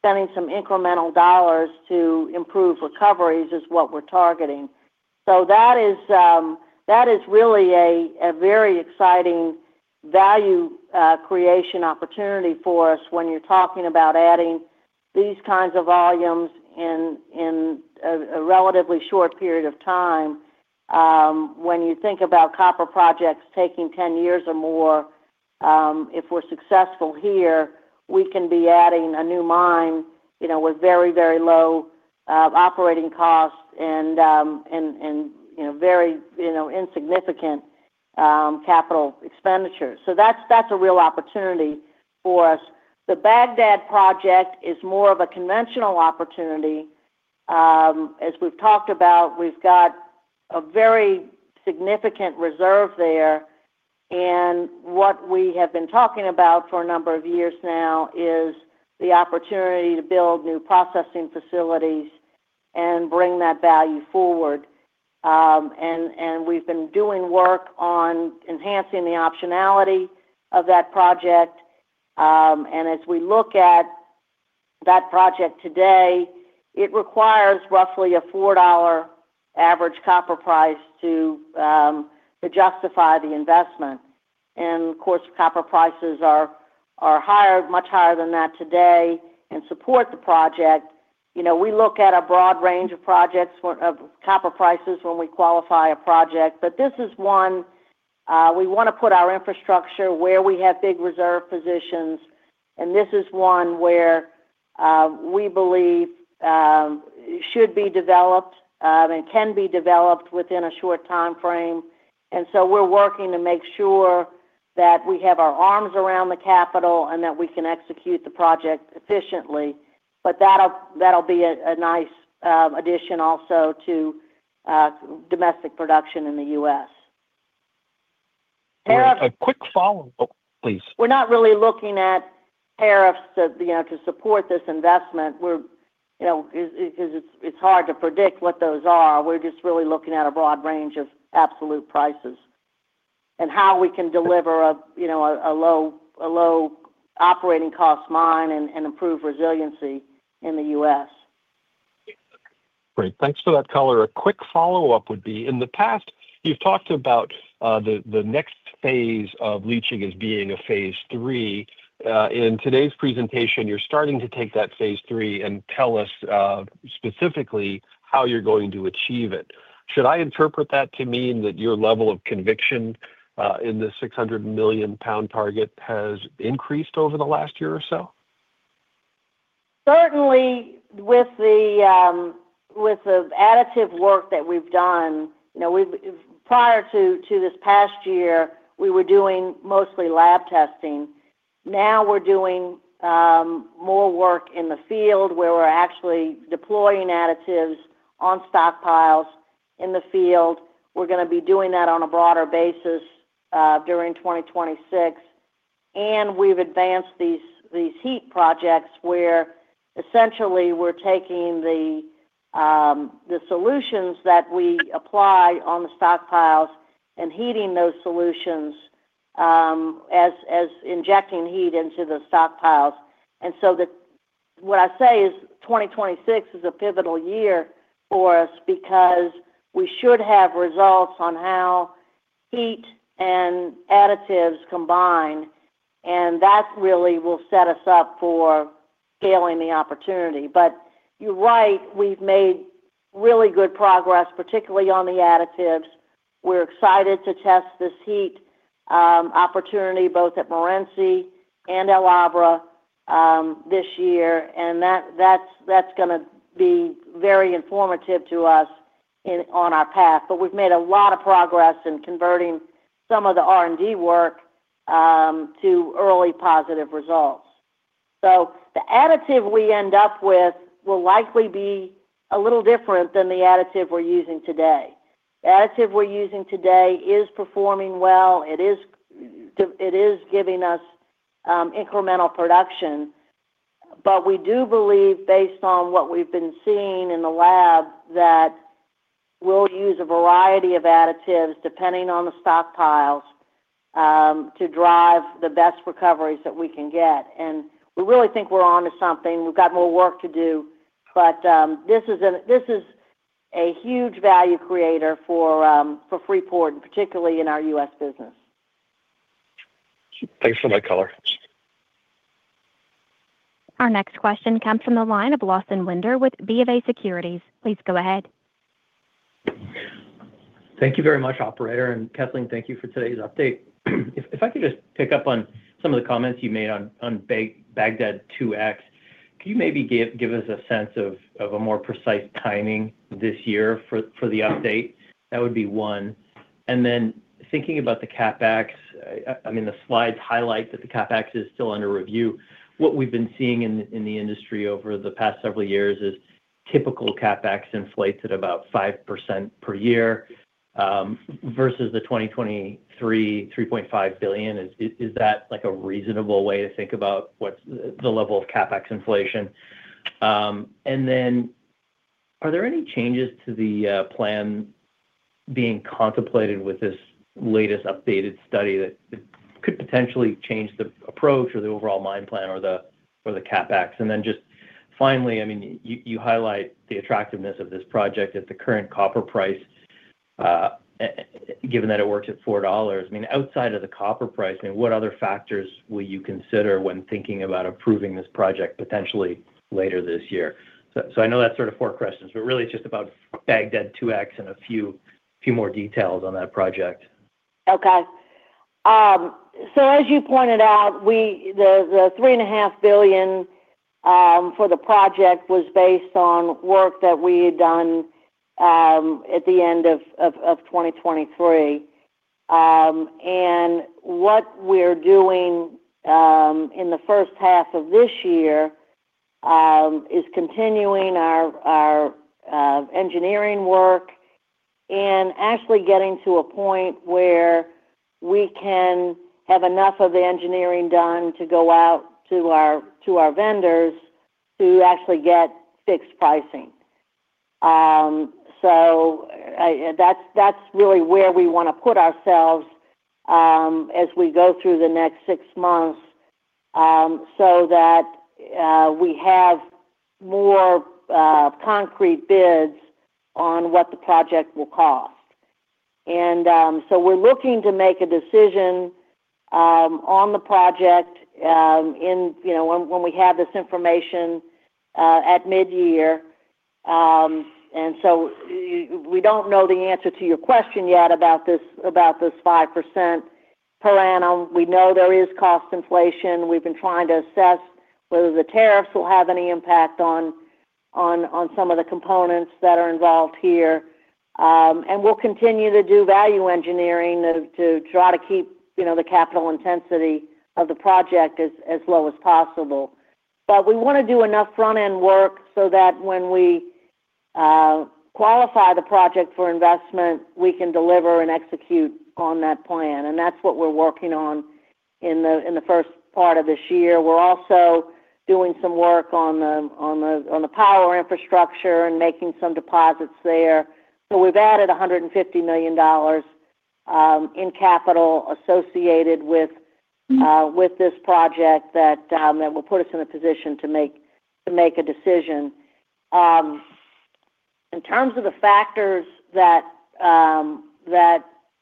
spending some incremental dollars to improve recoveries is what we're targeting. That is really a very exciting value creation opportunity for us when you're talking about adding these kinds of volumes in a relatively short period of time. When you think about copper projects taking 10 years or more, if we're successful here, we can be adding a new mine with very, very low operating costs and very insignificant capital expenditures. That's a real opportunity for us. The Bagdad project is more of a conventional opportunity. As we've talked about, we've got a very significant reserve there, and what we have been talking about for a number of years now is the opportunity to build new processing facilities and bring that value forward. We've been doing work on enhancing the optionality of that project. As we look at that project today, it requires roughly a $4 average copper price to justify the investment. And of course, copper prices are much higher than that today and support the project. We look at a broad range of copper prices when we qualify a project, but this is one we want to put our infrastructure where we have big reserve positions, and this is one where we believe should be developed and can be developed within a short time frame. And so we're working to make sure that we have our arms around the capital and that we can execute the project efficiently. But that'll be a nice addition also to domestic production in the US. Tariffs? A quick follow-up, please. We're not really looking at tariffs to support this investment because it's hard to predict what those are. We're just really looking at a broad range of absolute prices and how we can deliver a low operating cost mine and improve resiliency in the US. Great. Thanks for that color. A quick follow-up would be, in the past, you've talked about the next phase of leaching as being a phase III. In today's presentation, you're starting to take that phase III and tell us specifically how you're going to achieve it. Should I interpret that to mean that your level of conviction in the 600 million pound target has increased over the last year or so? Certainly, with the additive work that we've done. Prior to this past year, we were doing mostly lab testing. Now we're doing more work in the field where we're actually deploying additives on stockpiles in the field. We're going to be doing that on a broader basis during 2026. And we've advanced these heap projects where essentially we're taking the solutions that we apply on the stockpiles and heating those solutions and injecting heat into the stockpiles. And so what I say is 2026 is a pivotal year for us because we should have results on how heat and additives combine, and that really will set us up for scaling the opportunity. But you're right, we've made really good progress, particularly on the additives. We're excited to test this heat opportunity both at Morenci and El Abra this year, and that's going to be very informative to us on our path. But we've made a lot of progress in converting some of the R&D work to early positive results. So the additive we end up with will likely be a little different than the additive we're using today. The additive we're using today is performing well. It is giving us incremental production, but we do believe, based on what we've been seeing in the lab, that we'll use a variety of additives depending on the stockpiles to drive the best recoveries that we can get. And we really think we're on to something. We've got more work to do, but this is a huge value creator for Freeport, particularly in our US business. Thanks so much for color. Our next question comes from the line of Lawson Winder with BofA Securities. Please go ahead. Thank you very much, Operator. And Kathleen, thank you for today's update. If I could just pick up on some of the comments you made on Bagdad 2X, could you maybe give us a sense of a more precise timing this year for the update? That would be one. And then, thinking about the CapEx, I mean, the slides highlight that the CapEx is still under review. What we've been seeing in the industry over the past several years is typical CapEx inflation at about 5% per year versus the 2023 $3.5 billion. Is that a reasonable way to think about the level of CapEx inflation? And then, are there any changes to the plan being contemplated with this latest updated study that could potentially change the approach or the overall mine plan or the CapEx? And then, just finally, I mean, you highlight the attractiveness of this project at the current copper price, given that it works at $4. I mean, outside of the copper price, I mean, what other factors will you consider when thinking about approving this project potentially later this year? So I know that's sort of four questions, but really it's just about Bagdad 2X and a few more details on that project. Okay. So as you pointed out, the $3.5 billion for the project was based on work that we had done at the end of 2023. And what we're doing in the first half of this year is continuing our engineering work and actually getting to a point where we can have enough of the engineering done to go out to our vendors to actually get fixed pricing. So that's really where we want to put ourselves as we go through the next six months so that we have more concrete bids on what the project will cost. And so we're looking to make a decision on the project when we have this information at mid-year. And so we don't know the answer to your question yet about this 5% per annum. We know there is cost inflation. We've been trying to assess whether the tariffs will have any impact on some of the components that are involved here. And we'll continue to do value engineering to try to keep the capital intensity of the project as low as possible. But we want to do enough front-end work so that when we qualify the project for investment, we can deliver and execute on that plan. And that's what we're working on in the first part of this year. We're also doing some work on the power infrastructure and making some deposits there. So we've added $150 million in capital associated with this project that will put us in a position to make a decision. In terms of the factors that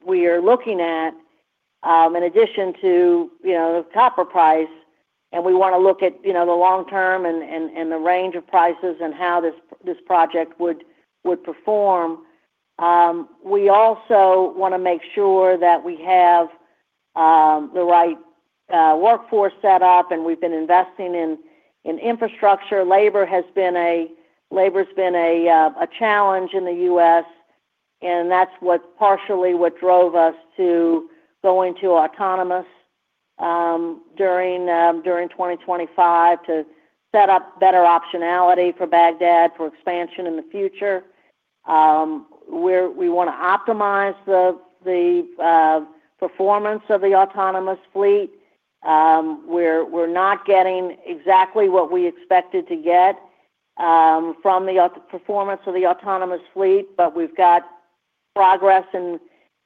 we are looking at, in addition to the copper price, and we want to look at the long term and the range of prices and how this project would perform, we also want to make sure that we have the right workforce set up. We've been investing in infrastructure. Labor has been a challenge in the US That's partially what drove us to go into autonomous during 2025 to set up better optionality for Bagdad for expansion in the future. We want to optimize the performance of the autonomous fleet. We're not getting exactly what we expected to get from the performance of the autonomous fleet, but we've got progress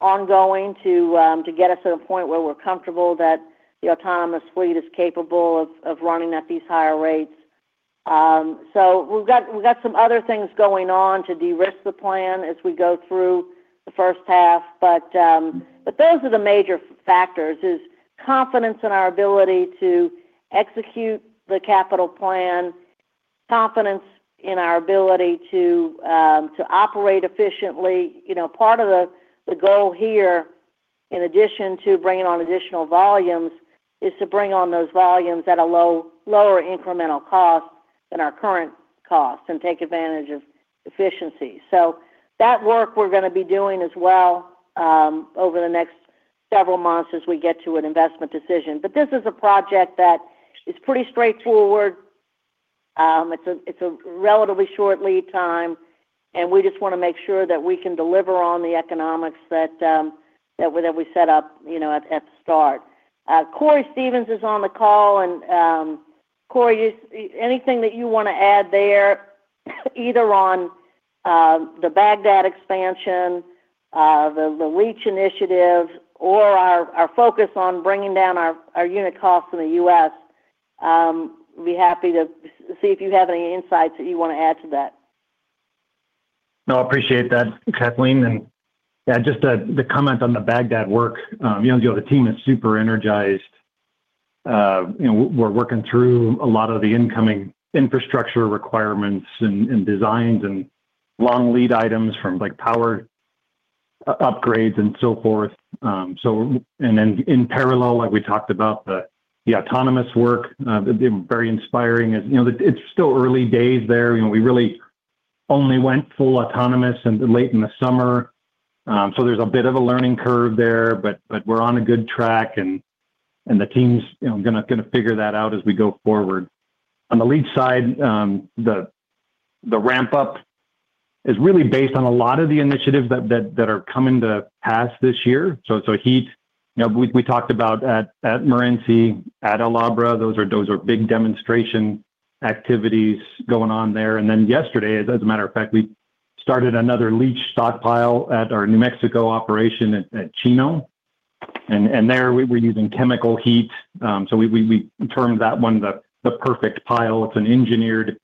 ongoing to get us to the point where we're comfortable that the autonomous fleet is capable of running at these higher rates. So we've got some other things going on to de-risk the plan as we go through the first half. But those are the major factors: confidence in our ability to execute the capital plan, confidence in our ability to operate efficiently. Part of the goal here, in addition to bringing on additional volumes, is to bring on those volumes at a lower incremental cost than our current cost and take advantage of efficiency. So that work we're going to be doing as well over the next several months as we get to an investment decision. But this is a project that is pretty straightforward. It's a relatively short lead time, and we just want to make sure that we can deliver on the economics that we set up at the start. Cory Stevens is on the call. And Cory, anything that you want to add there either on the Bagdad expansion, the leach initiative, or our focus on bringing down our unit costs in the US? We'd be happy to see if you have any insights that you want to add to that. No, I appreciate that, Kathleen. And yeah, just the comment on the Bagdad work, you know, the team is super energized. We're working through a lot of the incoming infrastructure requirements and designs and long lead items from power upgrades and so forth. And then in parallel, like we talked about, the autonomous work, very inspiring. It's still early days there. We really only went full autonomous late in the summer. So there's a bit of a learning curve there, but we're on a good track, and the team's going to figure that out as we go forward. On the lead side, the ramp-up is really based on a lot of the initiatives that are coming to pass this year, so heat we talked about at Morenci, at El Abra. Those are big demonstration activities going on there. And then yesterday, as a matter of fact, we started another leach stockpile at our New Mexico operation at Chino. And there we're using chemical heat. So we termed that one the perfect pile. It's an engineered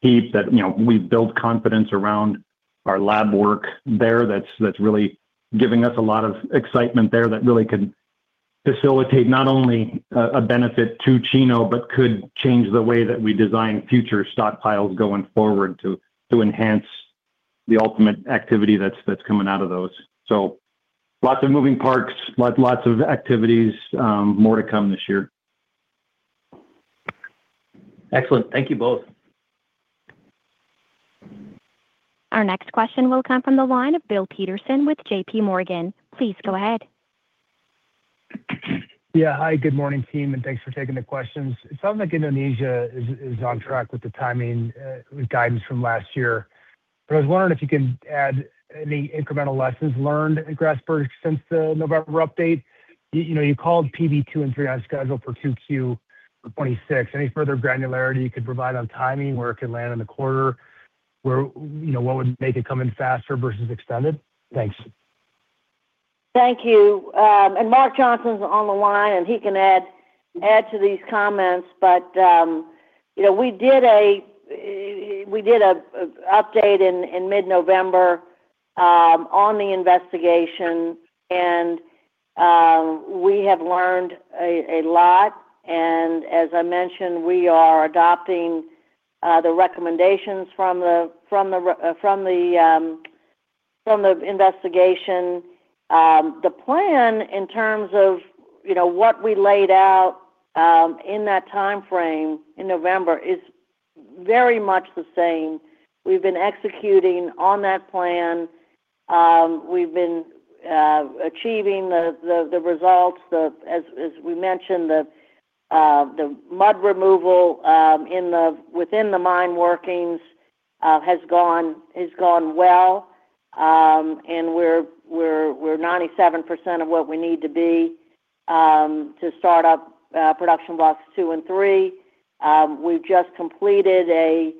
heap that we build confidence around our lab work there that's really giving us a lot of excitement there that really can facilitate not only a benefit to Chino but could change the way that we design future stockpiles going forward to enhance the ultimate activity that's coming out of those, so lots of moving parts, lots of activities, more to come this year. Excellent. Thank you both. Our next question will come from the line of Bill Peterson with JPMorgan. Please go ahead. Yeah. Hi, good morning, team, and thanks for taking the questions. It sounds like Indonesia is on track with the timing guidance from last year. But I was wondering if you can add any incremental lessons learned at Grasberg since the November update. You called PB2 and 3 on schedule for 2Q of 2026. Any further granularity you could provide on timing, where it could land in the quarter, what would make it come in faster versus extended? Thanks. Thank you. And Mark Johnson's on the line, and he can add to these comments. But we did an update in mid-November on the investigation, and we have learned a lot. And as I mentioned, we are adopting the recommendations from the investigation. The plan in terms of what we laid out in that timeframe in November is very much the same. We've been executing on that plan. We've been achieving the results. As we mentioned, the mud removal within the mine workings has gone well, and we're 97% of what we need to be to start up production blocks two and three. We've just completed a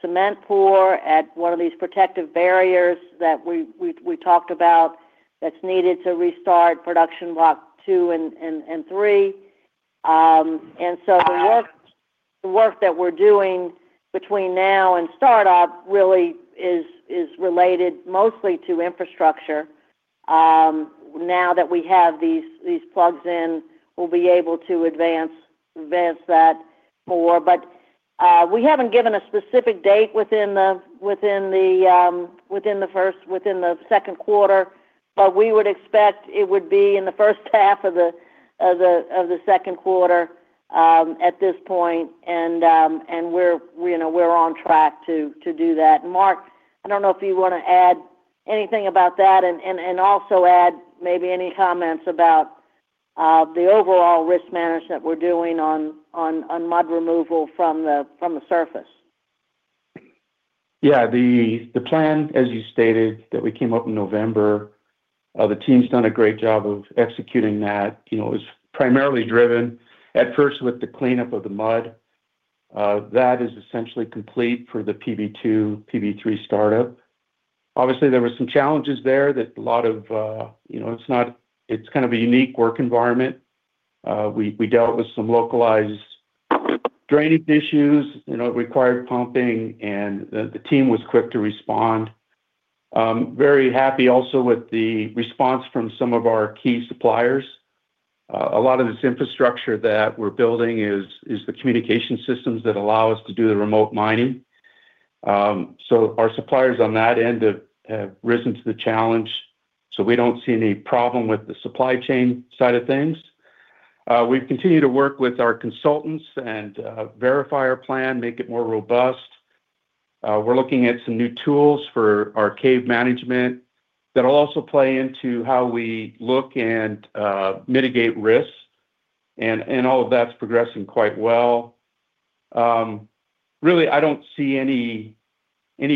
cement pour at one of these protective barriers that we talked about that's needed to restart production block two and three. And so the work that we're doing between now and startup really is related mostly to infrastructure. Now that we have these plugs in, we'll be able to advance that more. But we haven't given a specific date within the second quarter, but we would expect it would be in the first half of the second quarter at this point. We're on track to do that. Mark, I don't know if you want to add anything about that and also add maybe any comments about the overall risk management we're doing on mud removal from the surface. Yeah. The plan, as you stated, that we came up in November, the team's done a great job of executing that. It was primarily driven at first with the cleanup of the mud. That is essentially complete for the PB2, PB3 startup. Obviously, there were some challenges there that a lot of it's kind of a unique work environment. We dealt with some localized drainage issues, required pumping, and the team was quick to respond. Very happy also with the response from some of our key suppliers. A lot of this infrastructure that we're building is the communication systems that allow us to do the remote mining. Our suppliers on that end have risen to the challenge. We don't see any problem with the supply chain side of things. We've continued to work with our consultants and verify our plan, make it more robust. We're looking at some new tools for our cave management that will also play into how we look and mitigate risks. All of that's progressing quite well. Really, I don't see any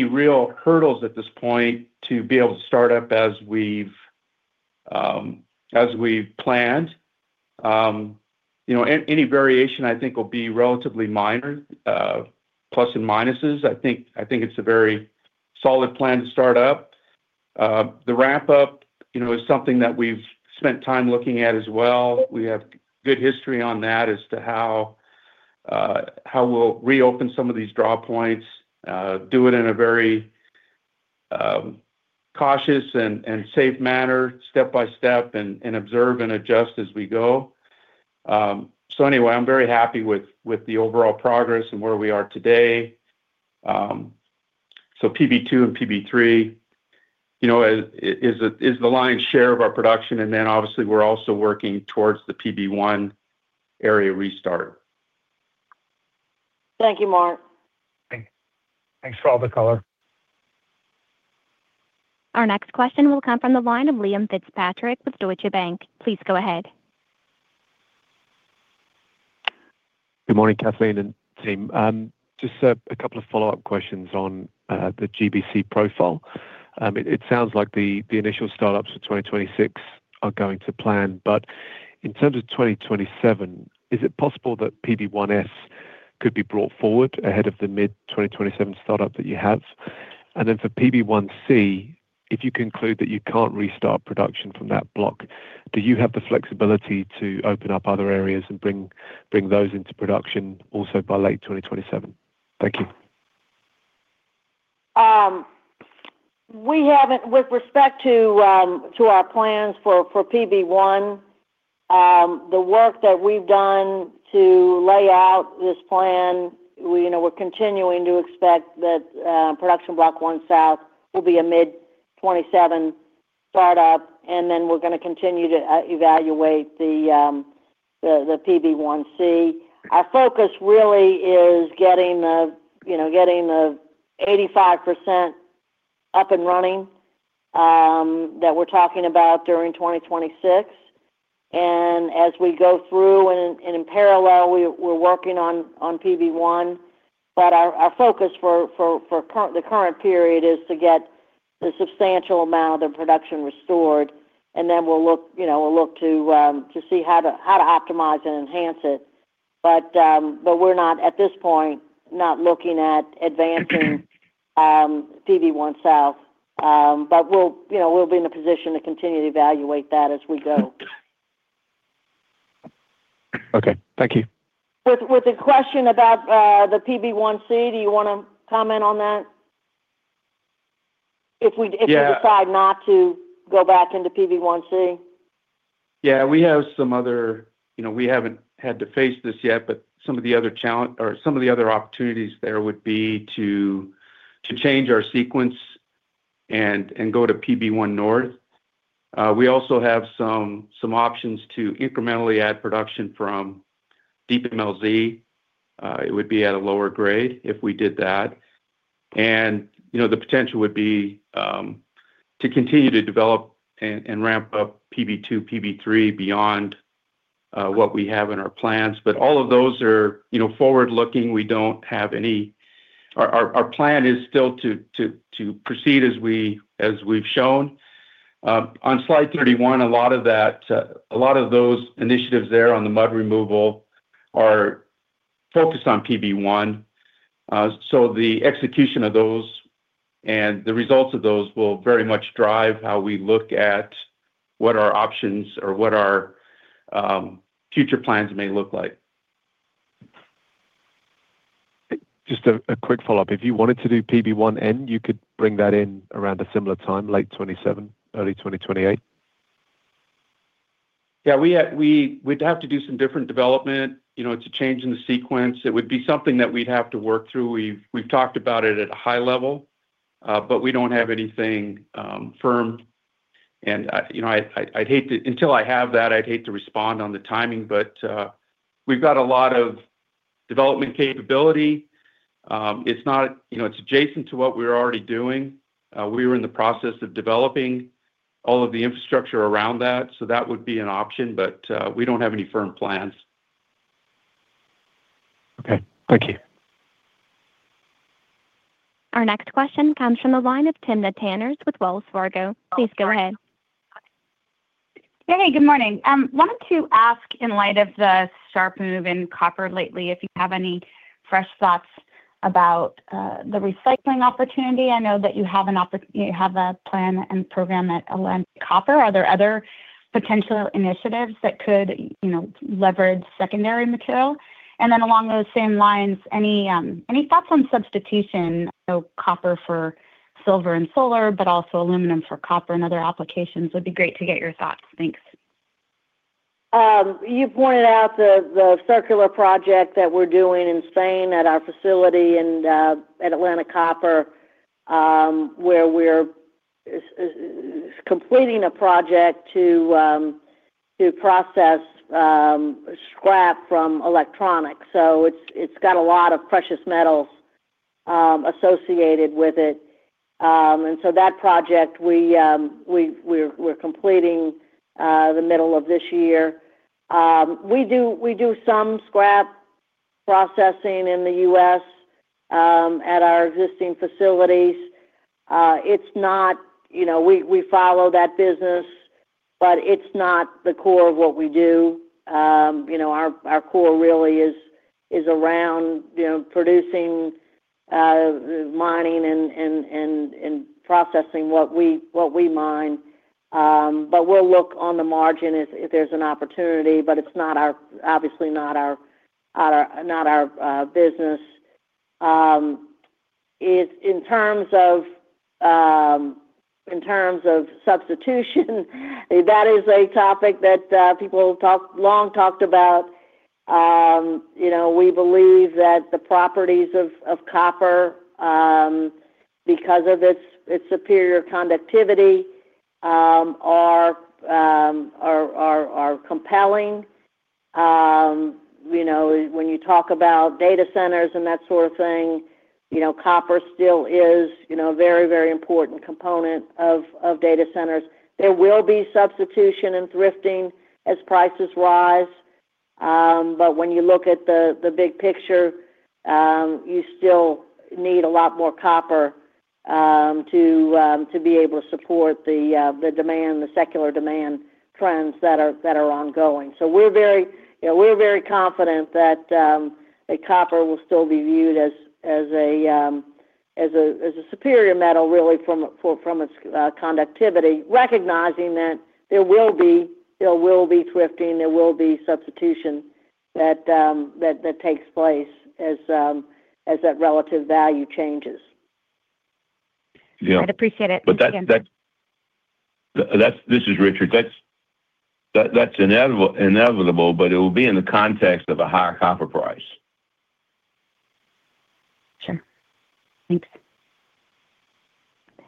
real hurdles at this point to be able to start up as we've planned. Any variation, I think, will be relatively minor, plus and minuses. I think it's a very solid plan to start up. The ramp-up is something that we've spent time looking at as well. We have good history on that as to how we'll reopen some of these draw points, do it in a very cautious and safe manner, step by step, and observe and adjust as we go. So anyway, I'm very happy with the overall progress and where we are today. So PB2 and PB3 is the lion's share of our production. And then obviously, we're also working towards the PB1 area restart. Thank you, Mark. Thanks for all the color. Our next question will come from the line of Liam Fitzpatrick with Deutsche Bank. Please go ahead. Good morning, Kathleen and team. Just a couple of follow-up questions on the GBC profile. It sounds like the initial startups for 2026 are going to plan. But in terms of 2027, is it possible that PB1S could be brought forward ahead of the mid-2027 startup that you have? And then for PB1C, if you conclude that you can't restart production from that block, do you have the flexibility to open up other areas and bring those into production also by late 2027? Thank you. With respect to our plans for PB1, the work that we've done to lay out this plan. We're continuing to expect that production block one south will be a mid-2027 startup. And then we're going to continue to evaluate the PB1C. Our focus really is getting the 85% up and running that we're talking about during 2026. And as we go through and in parallel, we're working on PB1. But our focus for the current period is to get the substantial amount of the production restored. And then we'll look to see how to optimize and enhance it. But we're not, at this point, not looking at advancing PB1 South. But we'll be in a position to continue to evaluate that as we go. Okay. Thank you. With the question about the PB1C, do you want to comment on that? If we decide not to go back into PB1C. Yeah. We have some other we haven't had to face this yet, but some of the other challenge or some of the other opportunities there would be to change our sequence and go to PB1 North. We also have some options to incrementally add production from Deep MLZ. It would be at a lower grade if we did that. And the potential would be to continue to develop and ramp up PB2, PB3 beyond what we have in our plans. But all of those are forward-looking. We don't have any our plan is still to proceed as we've shown. On slide 31, a lot of that, a lot of those initiatives there on the mud removal are focused on PB1. So the execution of those and the results of those will very much drive how we look at what our options or what our future plans may look like. Just a quick follow-up. If you wanted to do PB1N, you could bring that in around a similar time, late 2027, early 2028. Yeah. We'd have to do some different development. It's a change in the sequence. It would be something that we'd have to work through. We've talked about it at a high level, but we don't have anything firm. And I'd hate to until I have that, I'd hate to respond on the timing. But we've got a lot of development capability. It's adjacent to what we're already doing. We were in the process of developing all of the infrastructure around that. So that would be an option, but we don't have any firm plans. Okay. Thank you. Our next question comes from the line of Timna Tanners with Wolfe Research. Please go ahead. Hey. Good morning. Wanted to ask in light of the sharp move in copper lately if you have any fresh thoughts about the recycling opportunity. I know that you have an opportunity you have a plan and program that aligns with copper. Are there other potential initiatives that could leverage secondary material? And then along those same lines, any thoughts on substitution, copper for silver and solar, but also aluminum for copper and other applications? It would be great to get your thoughts. Thanks. You pointed out the circular project that we're doing in Spain at our facility and at Atlantic Copper, where we're completing a project to process scrap from electronics. So it's got a lot of precious metals associated with it. And so that project, we're completing the middle of this year. We do some scrap processing in the U.S. at our existing facilities. It's not we follow that business, but it's not the core of what we do. Our core really is around producing, mining, and processing what we mine. But we'll look on the margin if there's an opportunity, but it's obviously not our business. In terms of substitution, that is a topic that people have long talked about. We believe that the properties of copper, because of its superior conductivity, are compelling. When you talk about data centers and that sort of thing, copper still is a very, very important component of data centers. There will be substitution and thrifting as prices rise. But when you look at the big picture, you still need a lot more copper to be able to support the demand, the secular demand trends that are ongoing. So we're very confident that copper will still be viewed as a superior metal, really, from its conductivity, recognizing that there will be thrifting, there will be substitution that takes place as that relative value changes. I'd appreciate it. This is Richard. That's inevitable, but it will be in the context of a higher copper price. Sure. Thanks.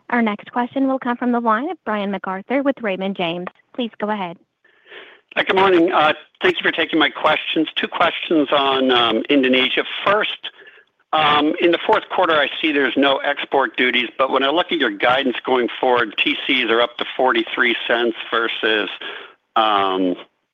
Our next question will come from the line of Brian McArthur with Raymond James. Please go ahead. Good morning. Thank you for taking my questions. Two questions on Indonesia. First, in the fourth quarter, I see there's no export duties. But when I look at your guidance going forward, TCs are up to $0.43 versus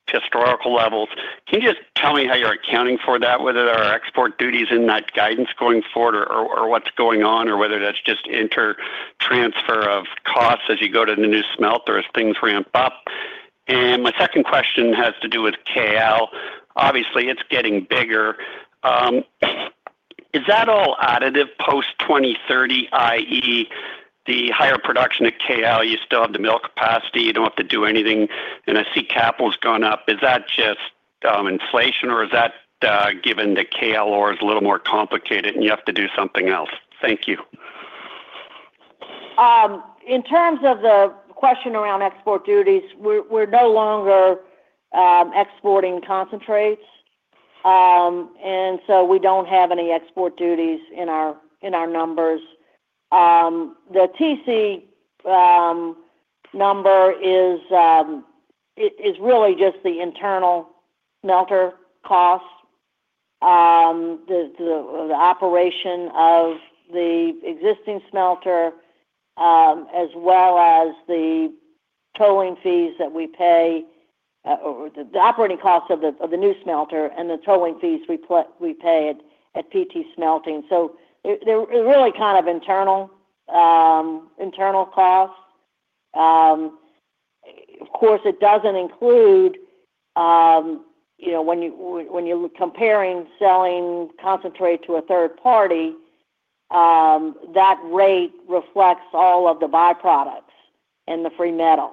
historical levels. Can you just tell me how you're accounting for that, whether there are export duties in that guidance going forward, or what's going on, or whether that's just inter-transfer of costs as you go to the new smelter as things ramp up? And my second question has to do with KL. Obviously, it's getting bigger. Is that all additive post-2030, i.e., the higher production at KL, you still have the mill capacity, you don't have to do anything, and I see capital's gone up? Is that just inflation, or is that given to KL, or is it a little more complicated and you have to do something else? Thank you. In terms of the question around export duties, we're no longer exporting concentrates, and so we don't have any export duties in our numbers. The TC number is really just the internal smelter cost, the operation of the existing smelter, as well as the tolling fees that we pay, the operating costs of the new smelter, and the tolling fees we pay at PT Smelting, so it's really kind of internal costs. Of course, it doesn't include when you're comparing selling concentrate to a third party, that rate reflects all of the byproducts and the free metal,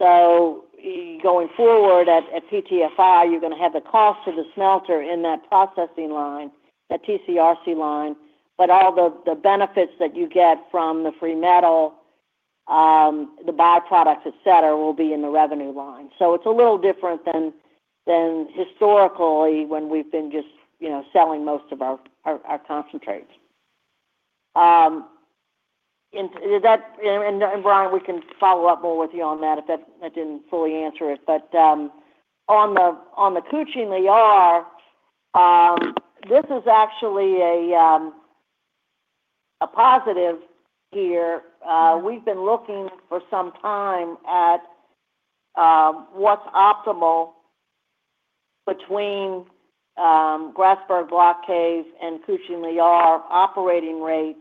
so going forward at PTFI, you're going to have the cost of the smelter in that processing line, that TCRC line, but all the benefits that you get from the free metal, the byproducts, etc., will be in the revenue line. So it's a little different than historically when we've been just selling most of our concentrates. And Brian, we can follow up more with you on that if that didn't fully answer it. But on the Kucing Liar, this is actually a positive here. We've been looking for some time at what's optimal between Grasberg Block Cave and Kucing Liar operating rates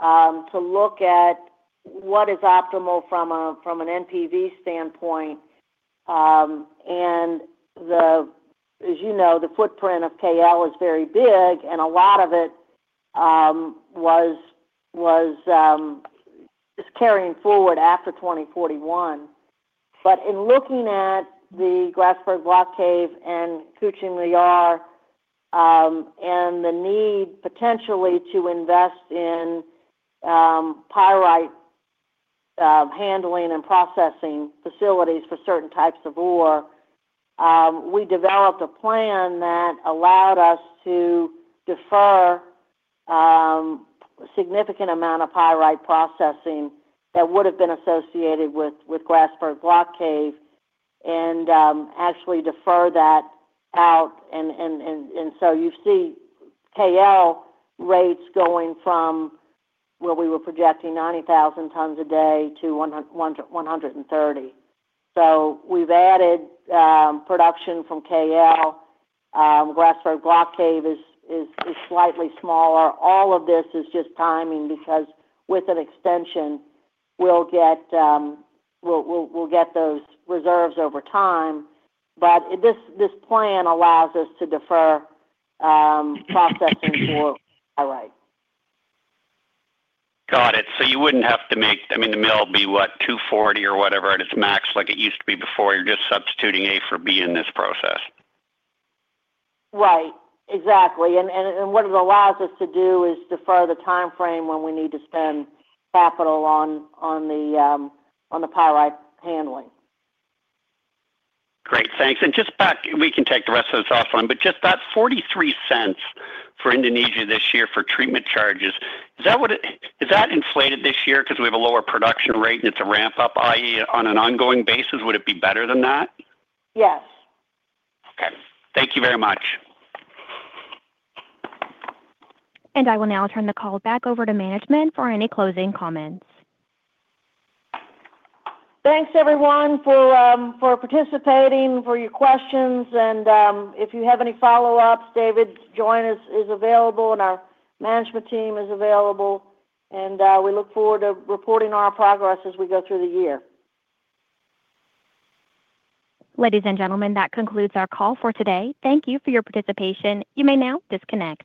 to look at what is optimal from an NPV standpoint. And as you know, the footprint of KL is very big, and a lot of it was carrying forward after 2041. But in looking at the Grasberg Block Cave and Kucing Liar and the need potentially to invest in pyrite handling and processing facilities for certain types of ore, we developed a plan that allowed us to defer a significant amount of pyrite processing that would have been associated with Grasberg Block Cave and actually defer that out. You see KL rates going from where we were projecting 90,000 tons a day to 130. We've added production from KL. Grasberg Block Cave is slightly smaller. All of this is just timing because with an extension, we'll get those reserves over time. But this plan allows us to defer processing for pyrite. Got it. You wouldn't have to make. I mean, the mill would be, what, 240 or whatever at its max like it used to be before. You're just substituting A for B in this process. Right. Exactly. What it allows us to do is defer the timeframe when we need to spend capital on the pyrite handling. Great. Thanks. And just back, we can take the rest of this offline, but just that $0.43 for Indonesia this year for treatment charges, is that inflated this year because we have a lower production rate and it's a ramp-up, i.e., on an ongoing basis? Would it be better than that? Yes. Okay. Thank you very much. And I will now turn the call back over to management for any closing comments. Thanks, everyone, for participating, for your questions. And if you have any follow-ups, David Joint is available, and our management team is available. And we look forward to reporting on our progress as we go through the year. Ladies and gentlemen, that concludes our call for today. Thank you for your participation. You may now disconnect.